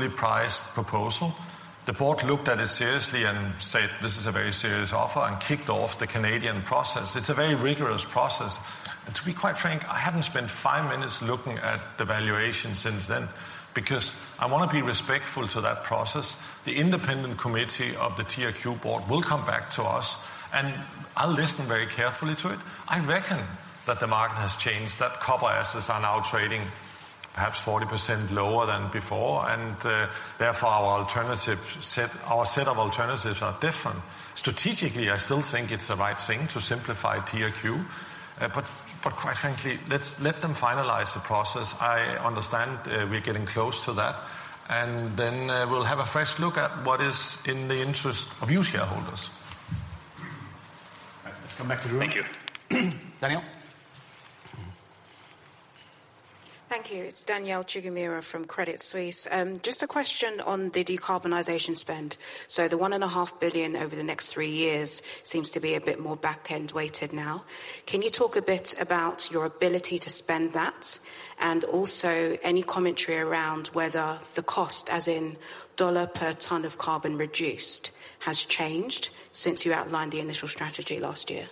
priced proposal. The board looked at it seriously and said, "This is a very serious offer," and kicked off the Canadian process. It's a very rigorous process. To be quite frank, I haven't spent five minutes looking at the valuation since then, because I wanna be respectful to that process. The independent committee of the TRQ board will come back to us, and I'll listen very carefully to it. I reckon that the market has changed, that copper assets are now trading perhaps 40% lower than before, and therefore our alternative set, our set of alternatives are different. Strategically, I still think it's the right thing to simplify TRQ. But quite frankly, let's let them finalize the process. I understand, we're getting close to that, and then, we'll have a fresh look at what is in the interest of you shareholders. Let's come back to the room. Thank you. Danielle? Thank you. It's Danielle Chigumira from Credit Suisse. Just a question on the decarbonization spend. The $1.5 billion over the next three years seems to be a bit more back-end weighted now. Can you talk a bit about your ability to spend that? Also any commentary around whether the cost, as in dollar per ton of carbon reduced, has changed since you outlined the initial strategy last year?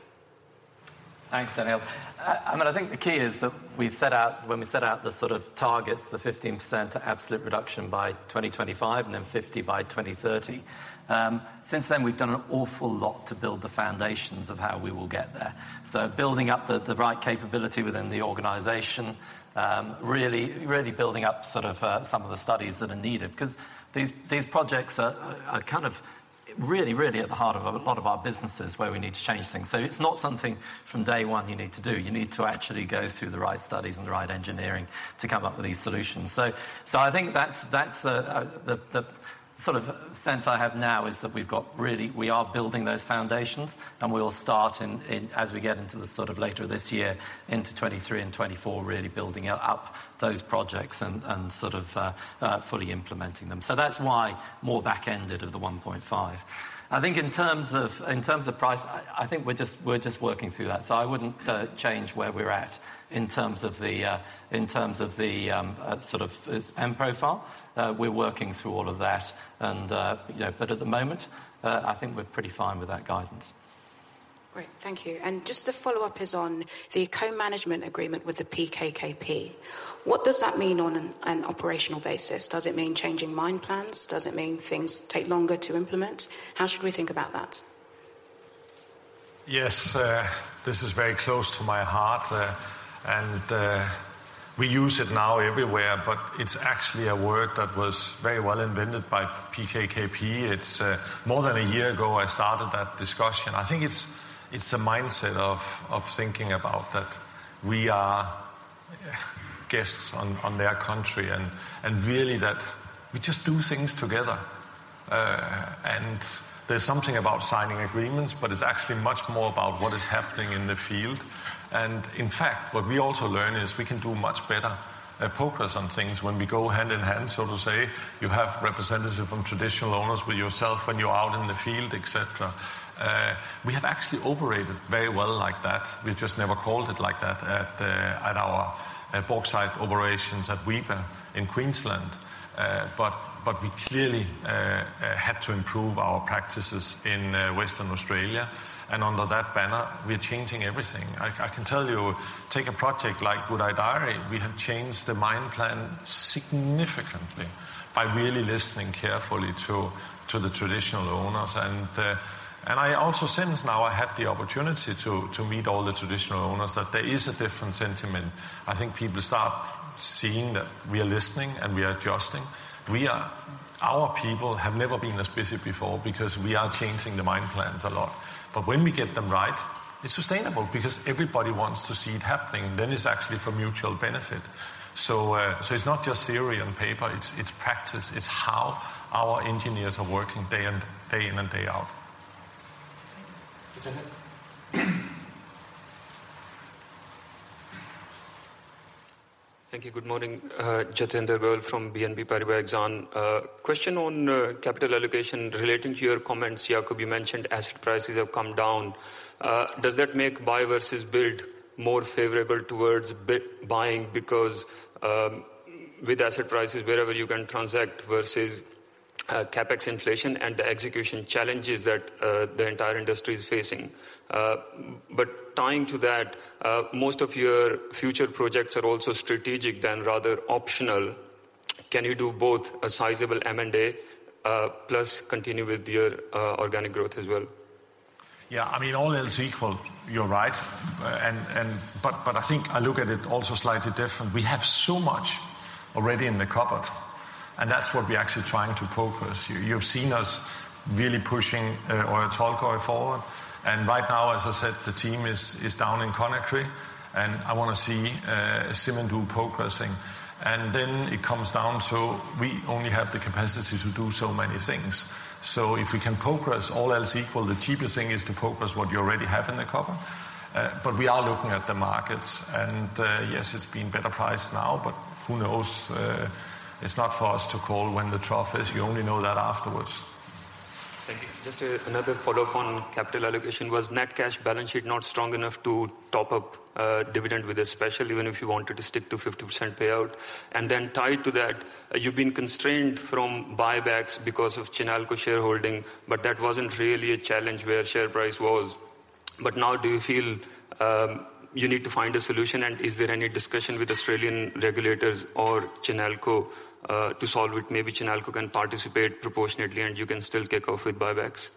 Thanks, Danielle. I mean, I think the key is that we set out, when we set out the sort of targets, the 15% absolute reduction by 2025 and then 50% by 2030, since then we've done an awful lot to build the foundations of how we will get there. Building up the right capability within the organization, really building up sort of some of the studies that are needed. 'Cause these projects are kind of really at the heart of a lot of our businesses where we need to change things. It's not something from day one you need to do. You need to actually go through the right studies and the right engineering to come up with these solutions. I think that's the sort of sense I have now is that we are building those foundations, and we'll start in as we get into later this year into 2023 and 2024, really building out up those projects and sort of fully implementing them. That's why more back-ended of the $1.5. I think in terms of price, I think we're just working through that. I wouldn't change where we're at in terms of the sort of spend profile. We're working through all of that and you know. At the moment, I think we're pretty fine with that guidance. Great. Thank you. Just the follow-up is on the co-management agreement with the PKKP. What does that mean on an operational basis? Does it mean changing mine plans? Does it mean things take longer to implement? How should we think about that? Yes. This is very close to my heart, and we use it now everywhere, but it's actually a word that was very well invented by PKKP. It's more than a year ago I started that discussion. I think it's a mindset of thinking about that we are guests on their country and really that we just do things together. There's something about signing agreements, but it's actually much more about what is happening in the field. In fact, what we also learn is we can do much better progress on things when we go hand in hand, so to say. You have representatives from traditional owners with yourself when you're out in the field, et cetera. We have actually operated very well like that. We've just never called it like that at our bauxite operations at Weipa in Queensland. We clearly had to improve our practices in Western Australia. Under that banner, we're changing everything. I can tell you, take a project like Gudai-Darri, we have changed the mine plan significantly by really listening carefully to the traditional owners. I also since now I had the opportunity to meet all the traditional owners, that there is a different sentiment. I think people start seeing that we are listening and we are adjusting. Our people have never been this busy before because we are changing the mine plans a lot. When we get them right, it's sustainable because everybody wants to see it happening, then it's actually for mutual benefit. It's not just theory on paper, it's practice. It's how our engineers are working day in and day out. Jatinder. Thank you. Good morning, Jatinder Goel from BNP Paribas Exane. Question on capital allocation relating to your comments. Jakob, you mentioned asset prices have come down. Does that make buy versus build more favorable towards buying? Because, with asset prices wherever you can transact versus, CapEx inflation and the execution challenges that the entire industry is facing. But tying to that, most of your future projects are also strategic than rather optional. Can you do both a sizable M&A, plus continue with your organic growth as well? Yeah. I mean, all else equal, you're right. But I think I look at it also slightly different. We have so much already in the cupboard, and that's what we're actually trying to progress. You've seen us really pushing Oyu Tolgoi forward, and right now, as I said, the team is down in Conakry, and I wanna see Simandou progressing. It comes down to we only have the capacity to do so many things. If we can progress all else equal, the cheapest thing is to progress what you already have in the cupboard. We are looking at the markets, and yes, it's been better priced now, but who knows? It's not for us to call when the trough is. You only know that afterwards. Thank you. Just another follow-up on capital allocation. Was net cash balance sheet not strong enough to top up dividend with this, especially when if you wanted to stick to 50% payout? Then tied to that, you've been constrained from buybacks because of Chinalco shareholding, but that wasn't really a challenge where share price was. Now do you feel you need to find a solution, and is there any discussion with Australian regulators or Chinalco to solve it? Maybe Chinalco can participate proportionately, and you can still kick off with buybacks.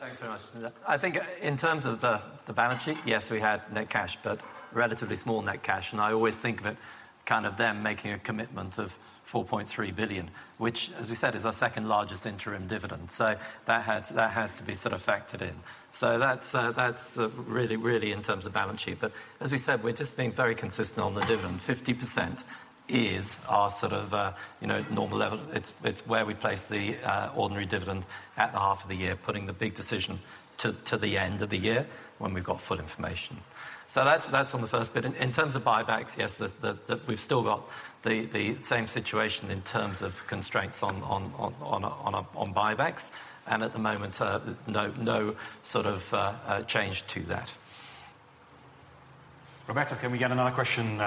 Thanks very much. I think in terms of the balance sheet, yes, we had net cash, but relatively small net cash. I always think of it kind of them making a commitment of $4.3 billion, which as we said, is our second largest interim dividend. That has to be sort of factored in. That's really in terms of balance sheet. As we said, we're just being very consistent on the dividend. 50% is our sort of, you know, normal level. It's where we place the ordinary dividend at the half of the year, putting the big decision to the end of the year when we've got full information. That's on the first bit. In terms of buybacks, yes, we've still got the same situation in terms of constraints on buybacks. At the moment, no sort of change to that. Roberto, can we get another question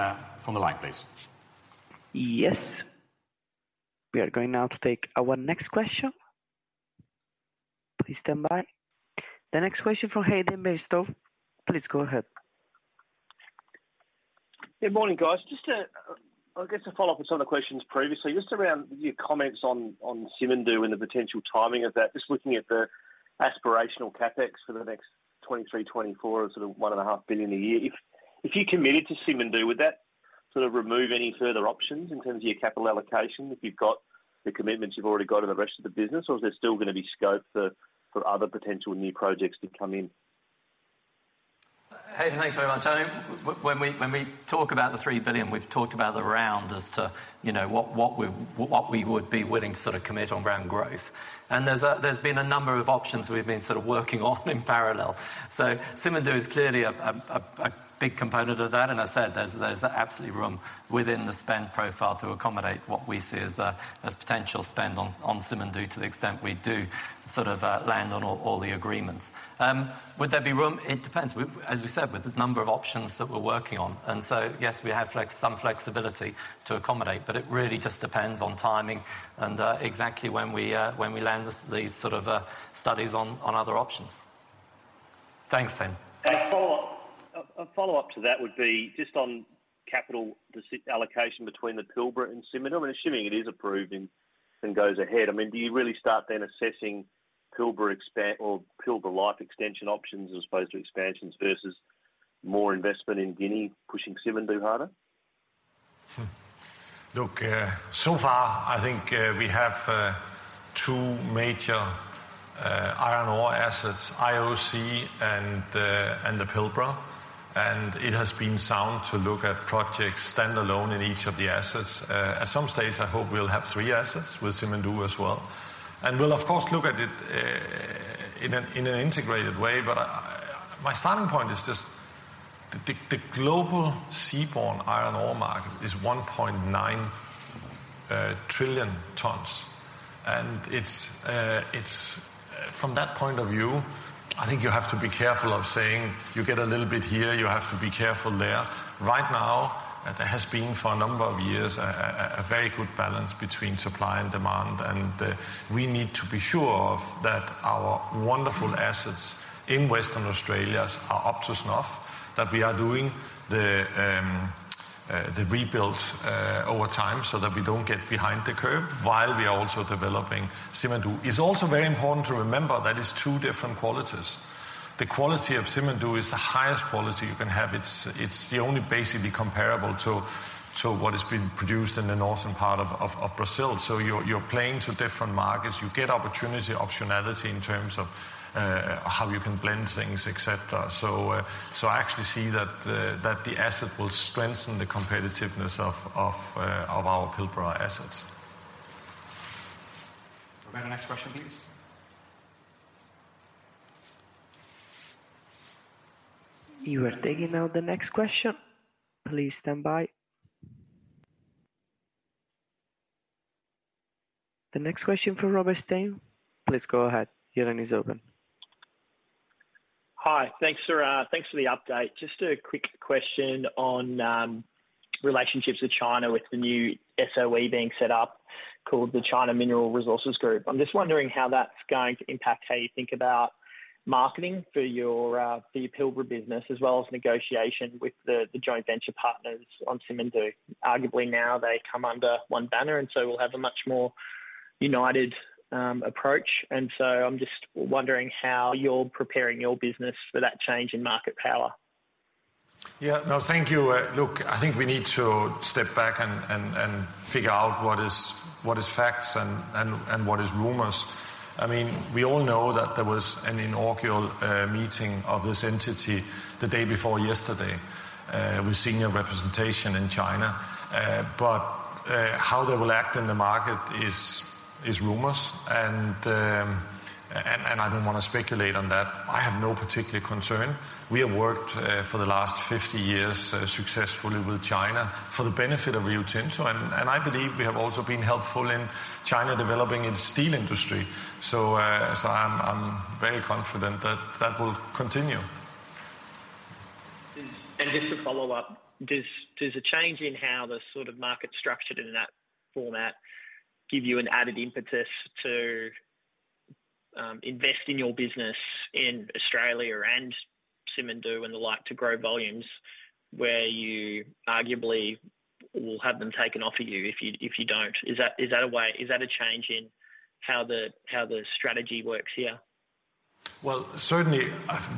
from the line, please? Yes. We are going now to take our next question. Please stand by. The next question from Hayden Bairstow. Please go ahead. Good morning, guys. Just to, I guess, follow up with some of the questions previously, just around your comments on Simandou and the potential timing of that. Just looking at the aspirational CapEx for the next 2023, 2024 of sort of $1.5 billion a year. If you're committed to Simandou, would that sort of remove any further options in terms of your capital allocation if you've got the commitments you've already got in the rest of the business? Or is there still gonna be scope for other potential new projects to come in? Hayden, thanks very much. I mean, when we talk about the $3 billion, we've talked about the rundown as to, you know, what we would be willing to sort of commit on around growth. There's been a number of options we've been sort of working on in parallel. Simandou is clearly a big component of that, and I said there's absolutely room within the spend profile to accommodate what we see as potential spend on Simandou to the extent we do sort of land on all the agreements. Would there be room? It depends. As we said, with the number of options that we're working on. Yes, we have some flexibility to accommodate, but it really just depends on timing and exactly when we land the sort of studies on other options. Thanks, Hayden. A follow-up to that would be just on capital allocation between the Pilbara and Simandou. I mean, assuming it is approved and goes ahead, I mean, do you really start then assessing Pilbara expansion or Pilbara life extension options as opposed to expansions versus more investment in Guinea pushing Simandou harder? Look, so far, I think, we have two major iron ore assets, IOC and the Pilbara. It has been sound to look at projects standalone in each of the assets. At some stage, I hope we'll have three assets with Simandou as well. We'll of course look at it in an integrated way. My starting point is just the global seaborne iron ore market is 1.9 trillion tons. It's from that point of view, I think you have to be careful of saying you get a little bit here, you have to be careful there. Right now, there has been for a number of years a very good balance between supply and demand. We need to be sure that our wonderful assets in Western Australia are up to snuff, that we are doing the rebuild over time so that we don't get behind the curve while we are also developing Simandou. It's also very important to remember that it's two different qualities. The quality of Simandou is the highest quality you can have. It's the only basically comparable to what has been produced in the northern part of Brazil. So you're playing to different markets. You get opportunity, optionality in terms of how you can blend things, et cetera. So I actually see that the asset will strengthen the competitiveness of our Pilbara assets. Roberto, next question, please. You are taking now the next question. Please stand by. The next question for Robert Stein. Please go ahead. Your line is open. Hi. Thanks for the update. Just a quick question on relationships with China with the new SOE being set up called the China Mineral Resources Group. I'm just wondering how that's going to impact how you think about marketing for your Pilbara business as well as negotiation with the joint venture partners on Simandou. Arguably now they come under one banner, and so will have a much more united approach, and so I'm just wondering how you're preparing your business for that change in market power. Yeah. No, thank you. Look, I think we need to step back and figure out what is facts and what is rumors. I mean, we all know that there was an inaugural meeting of this entity the day before yesterday with senior representation in China. How they will act in the market is rumors, and I don't wanna speculate on that. I have no particular concern. We have worked for the last 50 years successfully with China for the benefit of Rio Tinto, and I believe we have also been helpful in China developing its steel industry. I'm very confident that will continue. Just to follow up, does a change in how the sort of market's structured in that format give you an added impetus to invest in your business in Australia and Simandou and the like to grow volumes where you arguably will have them taken off of you if you don't? Is that a way? Is that a change in how the strategy works here? Well, certainly,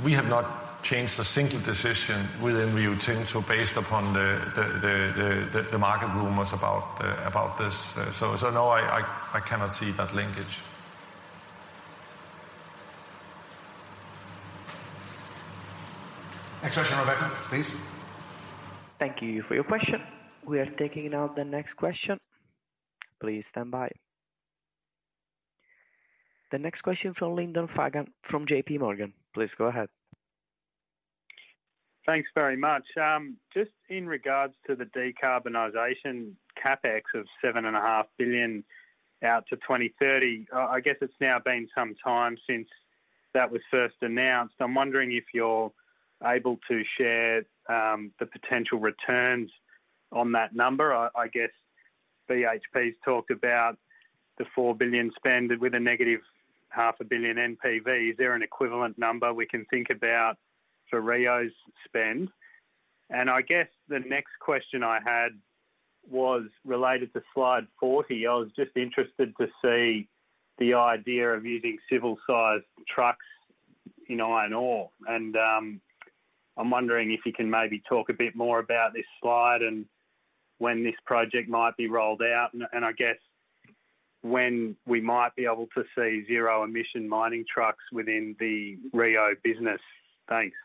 we have not changed a single decision within Rio Tinto based upon the market rumors about this. No, I cannot see that linkage. Next question, Roberto, please. Thank you for your question. We are taking now the next question. Please stand by. The next question from Lyndon Fagan from JPMorgan. Please go ahead. Thanks very much. Just in regards to the decarbonization CapEx of $7.5 billion out to 2030, I guess it's now been some time since that was first announced. I'm wondering if you're able to share the potential returns on that number. I guess BHP's talked about the $4 billion spend with a negative $0.5 Billion NPV. Is there an equivalent number we can think about for Rio's spend? I guess the next question I had was related to slide 40. I was just interested to see the idea of using civil-sized trucks in iron ore. I'm wondering if you can maybe talk a bit more about this slide and when this project might be rolled out and I guess when we might be able to see zero-emission mining trucks within the Rio business. Thanks.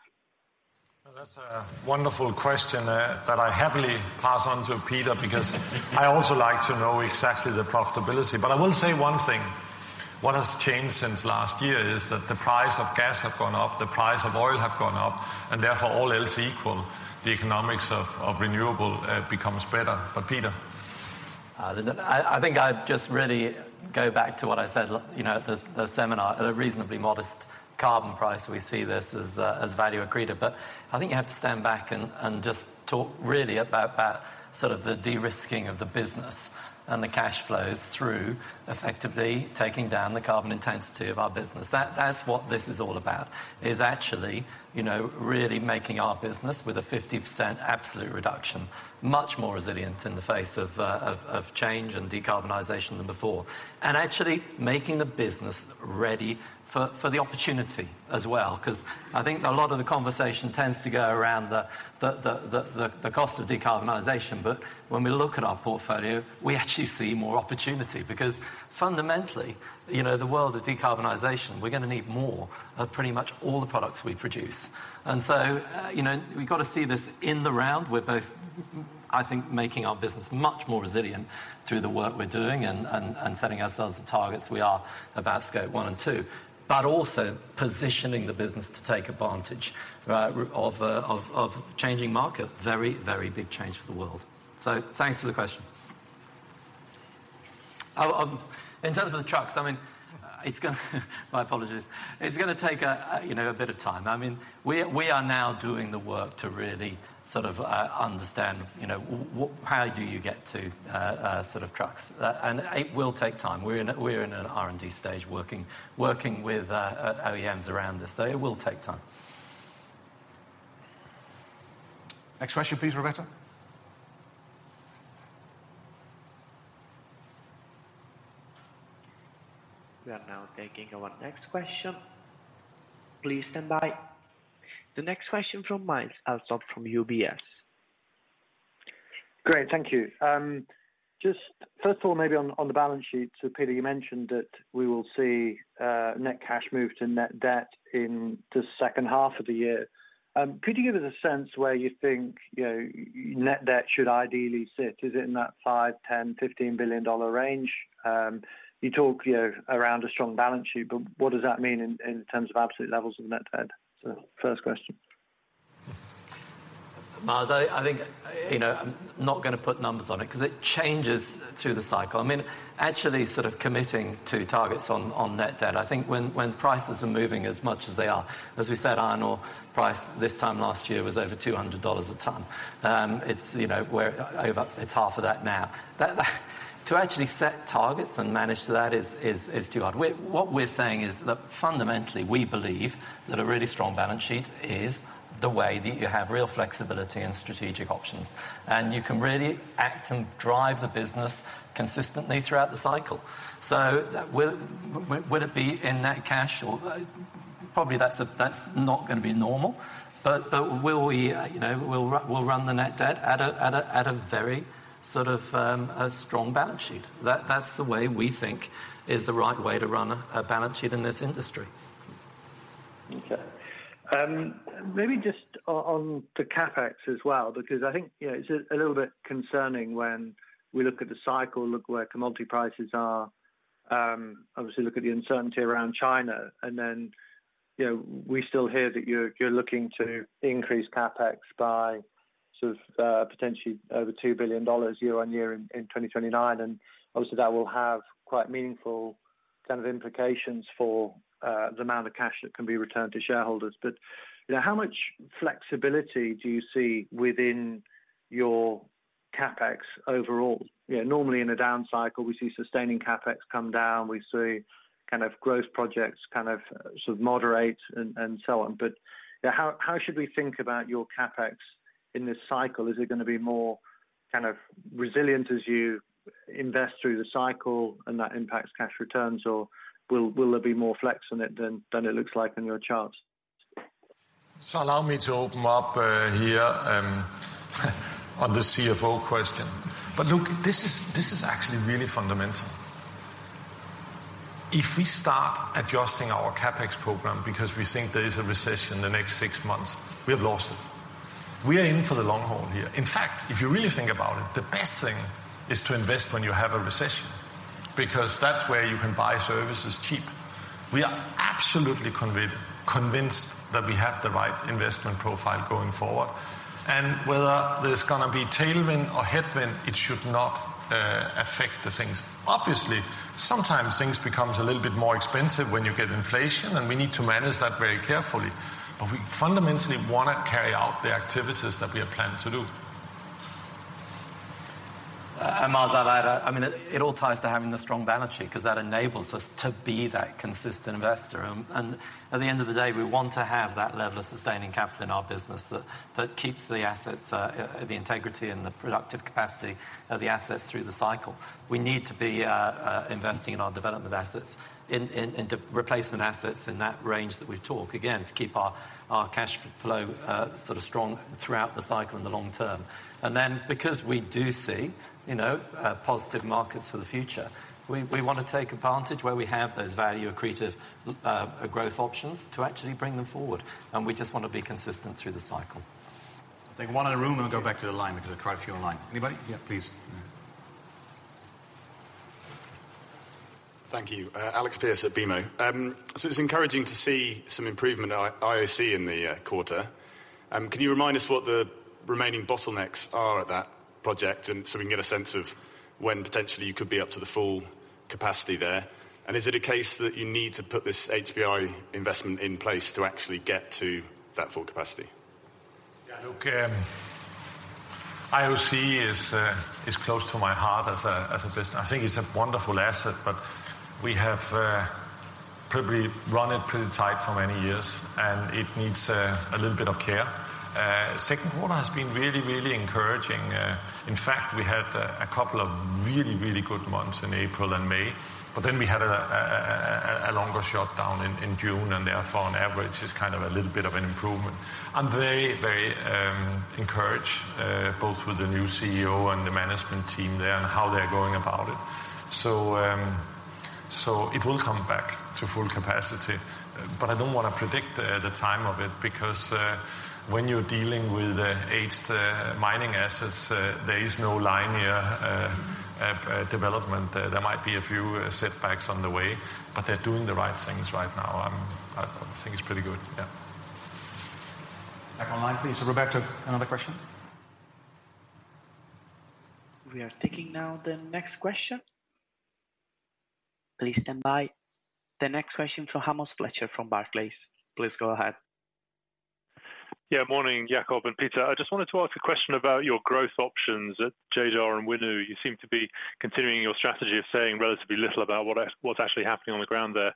Well, that's a wonderful question that I happily pass on to Peter because I also like to know exactly the profitability. I will say one thing. What has changed since last year is that the price of gas have gone up, the price of oil have gone up, and therefore, all else equal, the economics of renewable becomes better. Peter. I think I'd just really go back to what I said, you know, at the seminar. At a reasonably modest carbon price, we see this as value accretive. But I think you have to stand back and just talk really about sort of the de-risking of the business and the cash flows through effectively taking down the carbon intensity of our business. That's what this is all about, is actually, you know, really making our business with a 50% absolute reduction much more resilient in the face of change and decarbonization than before. Actually making the business ready for the opportunity as well. Because I think a lot of the conversation tends to go around the cost of decarbonization. When we look at our portfolio, we actually see more opportunity because fundamentally, you know, the world of decarbonization, we're gonna need more of pretty much all the products we produce. You know, we've got to see this in the round. We're both, I think, making our business much more resilient through the work we're doing and setting ourselves the targets we are about Scope one and two, but also positioning the business to take advantage of changing market. Very big change for the world. Thanks for the question. In terms of the trucks, I mean, it's gonna take a, you know, a bit of time. I mean, we are now doing the work to really sort of understand, you know, how do you get to sort of trucks. It will take time. We're in an R&D stage working with OEMs around this. It will take time. Next question, please, Roberto. We are now taking our next question. Please stand by. The next question from Myles Allsop from UBS. Great. Thank you. Just first of all, maybe on the balance sheet. Peter, you mentioned that we will see net cash move to net debt in the second half of the year. Could you give us a sense where you think, you know, net debt should ideally sit? Is it in that $5 billion, $10 billion, $15 billion range? You talk, you know, around a strong balance sheet, but what does that mean in terms of absolute levels of net debt? First question. Myles, I think, you know, I'm not gonna put numbers on it 'cause it changes through the cycle. I mean, actually sort of committing to targets on net debt, I think when prices are moving as much as they are, as we said, iron ore price this time last year was over $200 a ton. It's half of that now. To actually set targets and manage that is too hard. What we're saying is that fundamentally, we believe that a really strong balance sheet is the way that you have real flexibility and strategic options, and you can really act and drive the business consistently throughout the cycle. Will it be in net cash or, probably that's not gonna be normal. Will we, you know, run the net debt at a very sort of a strong balance sheet. That's the way we think is the right way to run a balance sheet in this industry. Okay. Maybe just on to CapEx as well, because I think, you know, it's a little bit concerning when we look at the cycle, look where commodity prices are, obviously look at the uncertainty around China, and then, you know, we still hear that you're looking to increase CapEx by sort of potentially over $2 billion year-on-year in 2029. Obviously, that will have quite meaningful kind of implications for the amount of cash that can be returned to shareholders. You know, how much flexibility do you see within your CapEx overall? You know, normally in a down cycle, we see sustaining CapEx come down. We see kind of growth projects kind of sort of moderate and so on. You know, how should we think about your CapEx in this cycle? Is it gonna be more kind of resilient as you invest through the cycle and that impacts cash returns? Or will there be more flex in it than it looks like in your charts? Allow me to open up here on the CFO question. Look, this is actually really fundamental. If we start adjusting our CapEx program because we think there is a recession the next six months, we have lost it. We are in for the long haul here. In fact, if you really think about it, the best thing is to invest when you have a recession, because that's where you can buy services cheap. We are absolutely convinced that we have the right investment profile going forward. Whether there's gonna be tailwind or headwind, it should not affect the things. Obviously, sometimes things becomes a little bit more expensive when you get inflation, and we need to manage that very carefully. We fundamentally wanna carry out the activities that we have planned to do. Myles, I'd add, I mean, it all ties to having a strong balance sheet 'cause that enables us to be that consistent investor. At the end of the day, we want to have that level of sustaining capital in our business that keeps the integrity and the productive capacity of the assets through the cycle. We need to be investing in our development assets into replacement assets in that range that we talk again to keep our cash flow sort of strong throughout the cycle in the long term. Because we do see, you know, positive markets for the future, we wanna take advantage where we have those value accretive growth options to actually bring them forward, and we just wanna be consistent through the cycle. Take one in the room, and we'll go back to the line because I have quite a few online. Anybody? Yeah, please. Thank you. Alexander Pearce at BMO. It's encouraging to see some improvement at IOC in the quarter. Can you remind us what the remaining bottlenecks are at that project and so we can get a sense of when potentially you could be up to the full capacity there? Is it a case that you need to put this HBI investment in place to actually get to that full capacity? Yeah, look, IOC is close to my heart as a business. I think it's a wonderful asset, but we have probably run it pretty tight for many years, and it needs a little bit of care. Second quarter has been really encouraging. In fact, we had a couple of really good months in April and May. But then we had a longer shutdown in June, and therefore on average is kind of a little bit of an improvement. I'm very encouraged both with the new CEO and the management team there and how they're going about it. It will come back to full capacity, but I don't wanna predict the time of it because when you're dealing with aged mining assets, there is no linear development. There might be a few setbacks on the way, but they're doing the right things right now. I think it's pretty good. Yeah. Back online, please. Roberto, another question. We are taking now the next question. Please stand by. The next question for Amos Fletcher from Barclays. Please go ahead. Yeah, morning, Jakob and Peter. I just wanted to ask a question about your growth options at Jadar and Winu. You seem to be continuing your strategy of saying relatively little about what's actually happening on the ground there.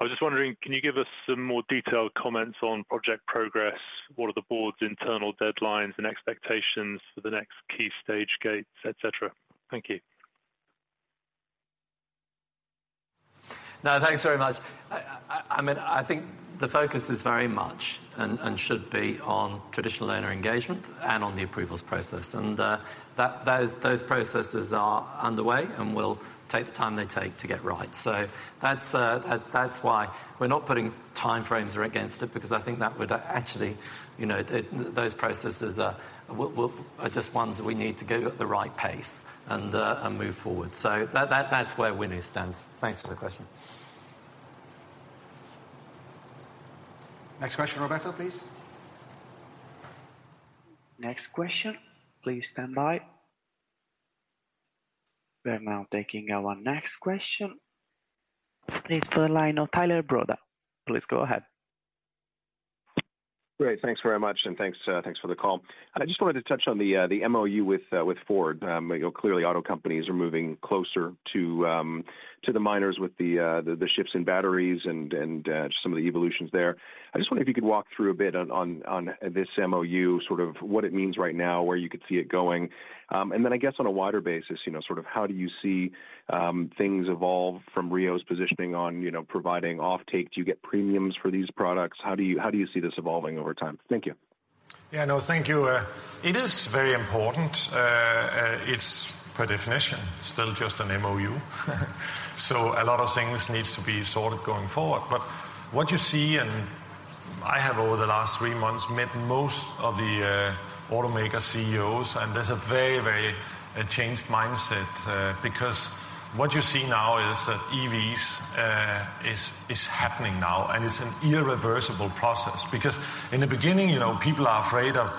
I was just wondering, can you give us some more detailed comments on project progress? What are the board's internal deadlines and expectations for the next key stage gates, et cetera? Thank you. No, thanks very much. I mean, I think the focus is very much and should be on traditional owner engagement and on the approvals process. Those processes are underway and will take the time they take to get right. That's why we're not putting time frames against it because I think that would actually, you know, those processes are just ones we need to go at the right pace and move forward. That's where Winu stands. Thanks for the question. Next question, Roberto, please. Next question, please stand by. We're now taking our next question. It's for the line of Tyler Broda. Please go ahead. Great. Thanks very much, and thanks for the call. I just wanted to touch on the MOU with Ford. You know, clearly auto companies are moving closer to the miners with the shifts in batteries and some of the evolutions there. I just wonder if you could walk through a bit on this MOU, sort of what it means right now, where you could see it going. Then I guess on a wider basis, you know, sort of how do you see things evolve from Rio's positioning on, you know, providing offtake? Do you get premiums for these products? How do you see this evolving over time? Thank you. Yeah, no, thank you. It is very important. It's by definition, still just an MOU, so a lot of things needs to be sorted going forward. What you see, and I have over the last three months, met most of the automaker CEOs, and there's a very, very changed mindset. Because what you see now is that EVs is happening now and it's an irreversible process. Because in the beginning, you know, people are afraid of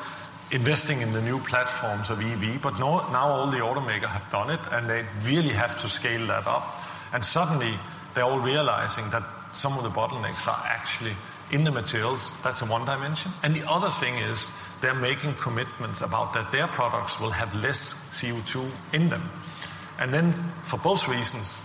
investing in the new EV platforms, but now all the automakers have done it, and they really have to scale that up. Suddenly they're all realizing that some of the bottlenecks are actually in the materials. That's the one dimension. The other thing is they're making commitments about that their products will have less CO2 in them. For both reasons,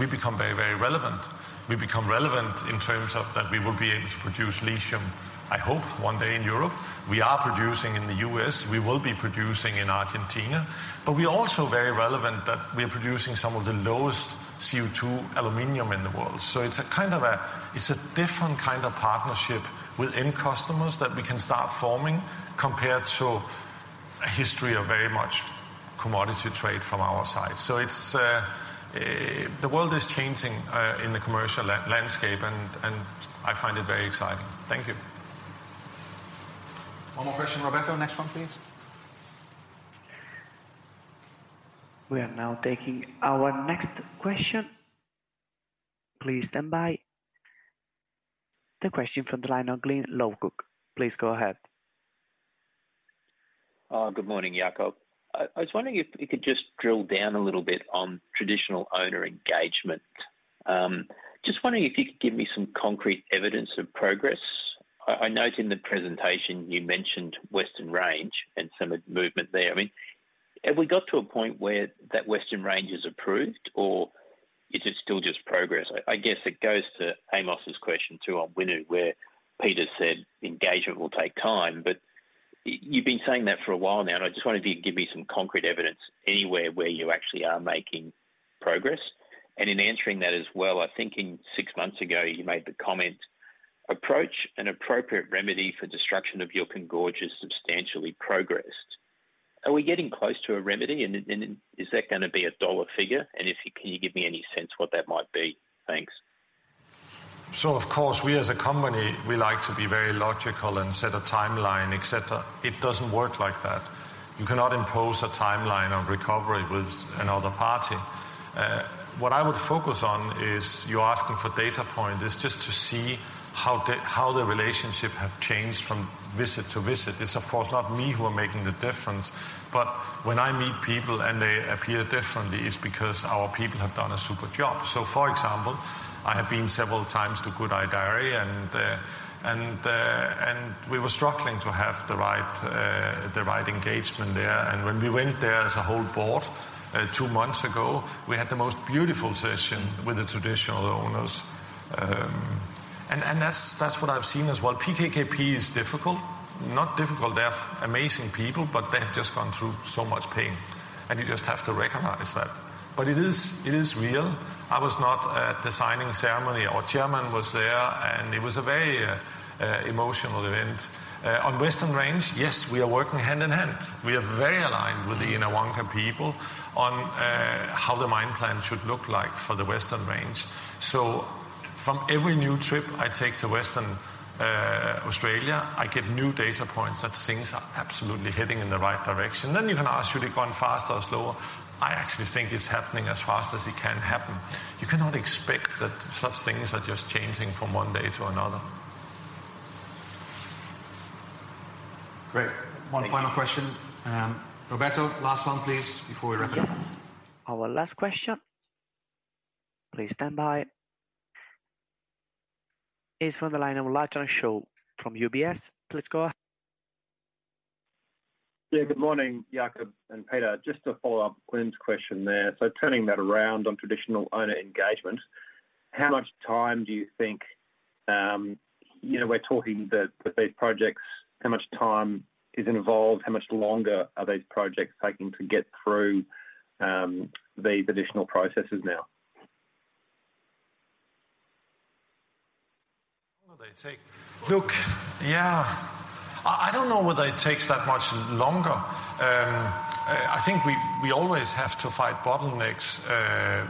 we become very, very relevant. We become relevant in terms of that we will be able to produce lithium, I hope one day in Europe. We are producing in the U.S., we will be producing in Argentina, but we're also very relevant that we are producing some of the lowest CO2 aluminum in the world. It's a different kind of partnership with end customers that we can start forming compared to a history of very much commodity trade from our side. It's the world is changing in the commercial landscape, and I find it very exciting. Thank you. One more question, Roberto. Next one, please. We are now taking our next question. Please stand by. The question from the line of Glyn Lawcock. Please go ahead. Good morning, Jakob. I was wondering if you could just drill down a little bit on traditional owner engagement. Just wondering if you could give me some concrete evidence of progress. I note in the presentation you mentioned Western Range and some of movement there. I mean, have we got to a point where that Western Range is approved, or is it still just progress? I guess it goes to Amos's question too on Winu where Peter said engagement will take time. But you've been saying that for a while now, and I just wonder if you could give me some concrete evidence anywhere where you actually are making progress. In answering that as well, I think six months ago, you made the comment, approach an appropriate remedy for destruction of Juukan Gorge is substantially progressed. Are we getting close to a remedy? Is that gonna be a dollar figure? If you can, you give me any sense what that might be. Thanks. Of course, we as a company, we like to be very logical and set a timeline, et cetera. It doesn't work like that. You cannot impose a timeline of recovery with another party. What I would focus on is you're asking for data point, is just to see how the relationship have changed from visit to visit. It's of course not me who are making the difference, but when I meet people and they appear differently, it's because our people have done a super job. For example, I have been several times to Gudai-Darri and we were struggling to have the right engagement there. When we went there as a whole board two months ago, we had the most beautiful session with the traditional owners. And that's what I've seen as well. PKKP is difficult. Not difficult. They have amazing people, but they have just gone through so much pain, and you just have to recognize that. It is real. I was not at the signing ceremony. Our chairman was there, and it was a very emotional event. On Western Range, yes, we are working hand in hand. We are very aligned with the Yinhawangka people on how the mine plan should look like for the Western Range. From every new trip I take to Western Australia, I get new data points that things are absolutely heading in the right direction. You can ask, should it gone faster or slower? I actually think it's happening as fast as it can happen. You cannot expect that such things are just changing from one day to another. Great. One final question. Roberto, last one, please, before we wrap it up. Our last question, please stand by, is from the line of Lachlan Shaw from UBS. Yeah, good morning, Jakob and Peter. Just to follow up Glyn's question there. Turning that around on traditional owner engagement, how much time do you think, we're talking with these projects, how much time is involved? How much longer are these projects taking to get through, these additional processes now? How long do they take? Look, yeah. I don't know whether it takes that much longer. I think we always have to fight bottlenecks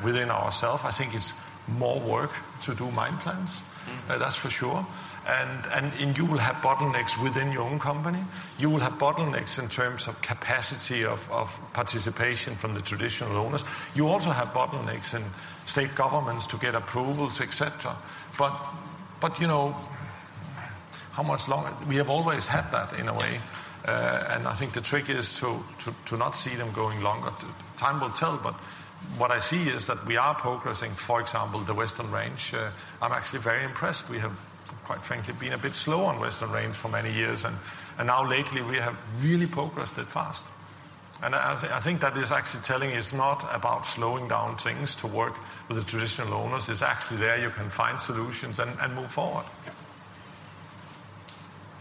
within ourselves. I think it's more work to do mine plans. Mm-hmm. That's for sure. You will have bottlenecks within your own company. You will have bottlenecks in terms of capacity of participation from the traditional owners. You also have bottlenecks in state governments to get approvals, et cetera. We have always had that in a way. I think the trick is to not see them going longer. Time will tell, but what I see is that we are progressing, for example, the Western Range. I'm actually very impressed. We have, quite frankly, been a bit slow on Western Range for many years, and now lately we have really progressed it fast. I think that is actually telling it's not about slowing down things to work with the traditional owners. It's actually there you can find solutions and move forward. Yeah.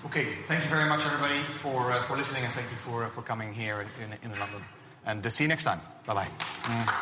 Okay. Thank you very much, everybody, for listening and thank you for coming here in London, and see you next time. Bye-bye.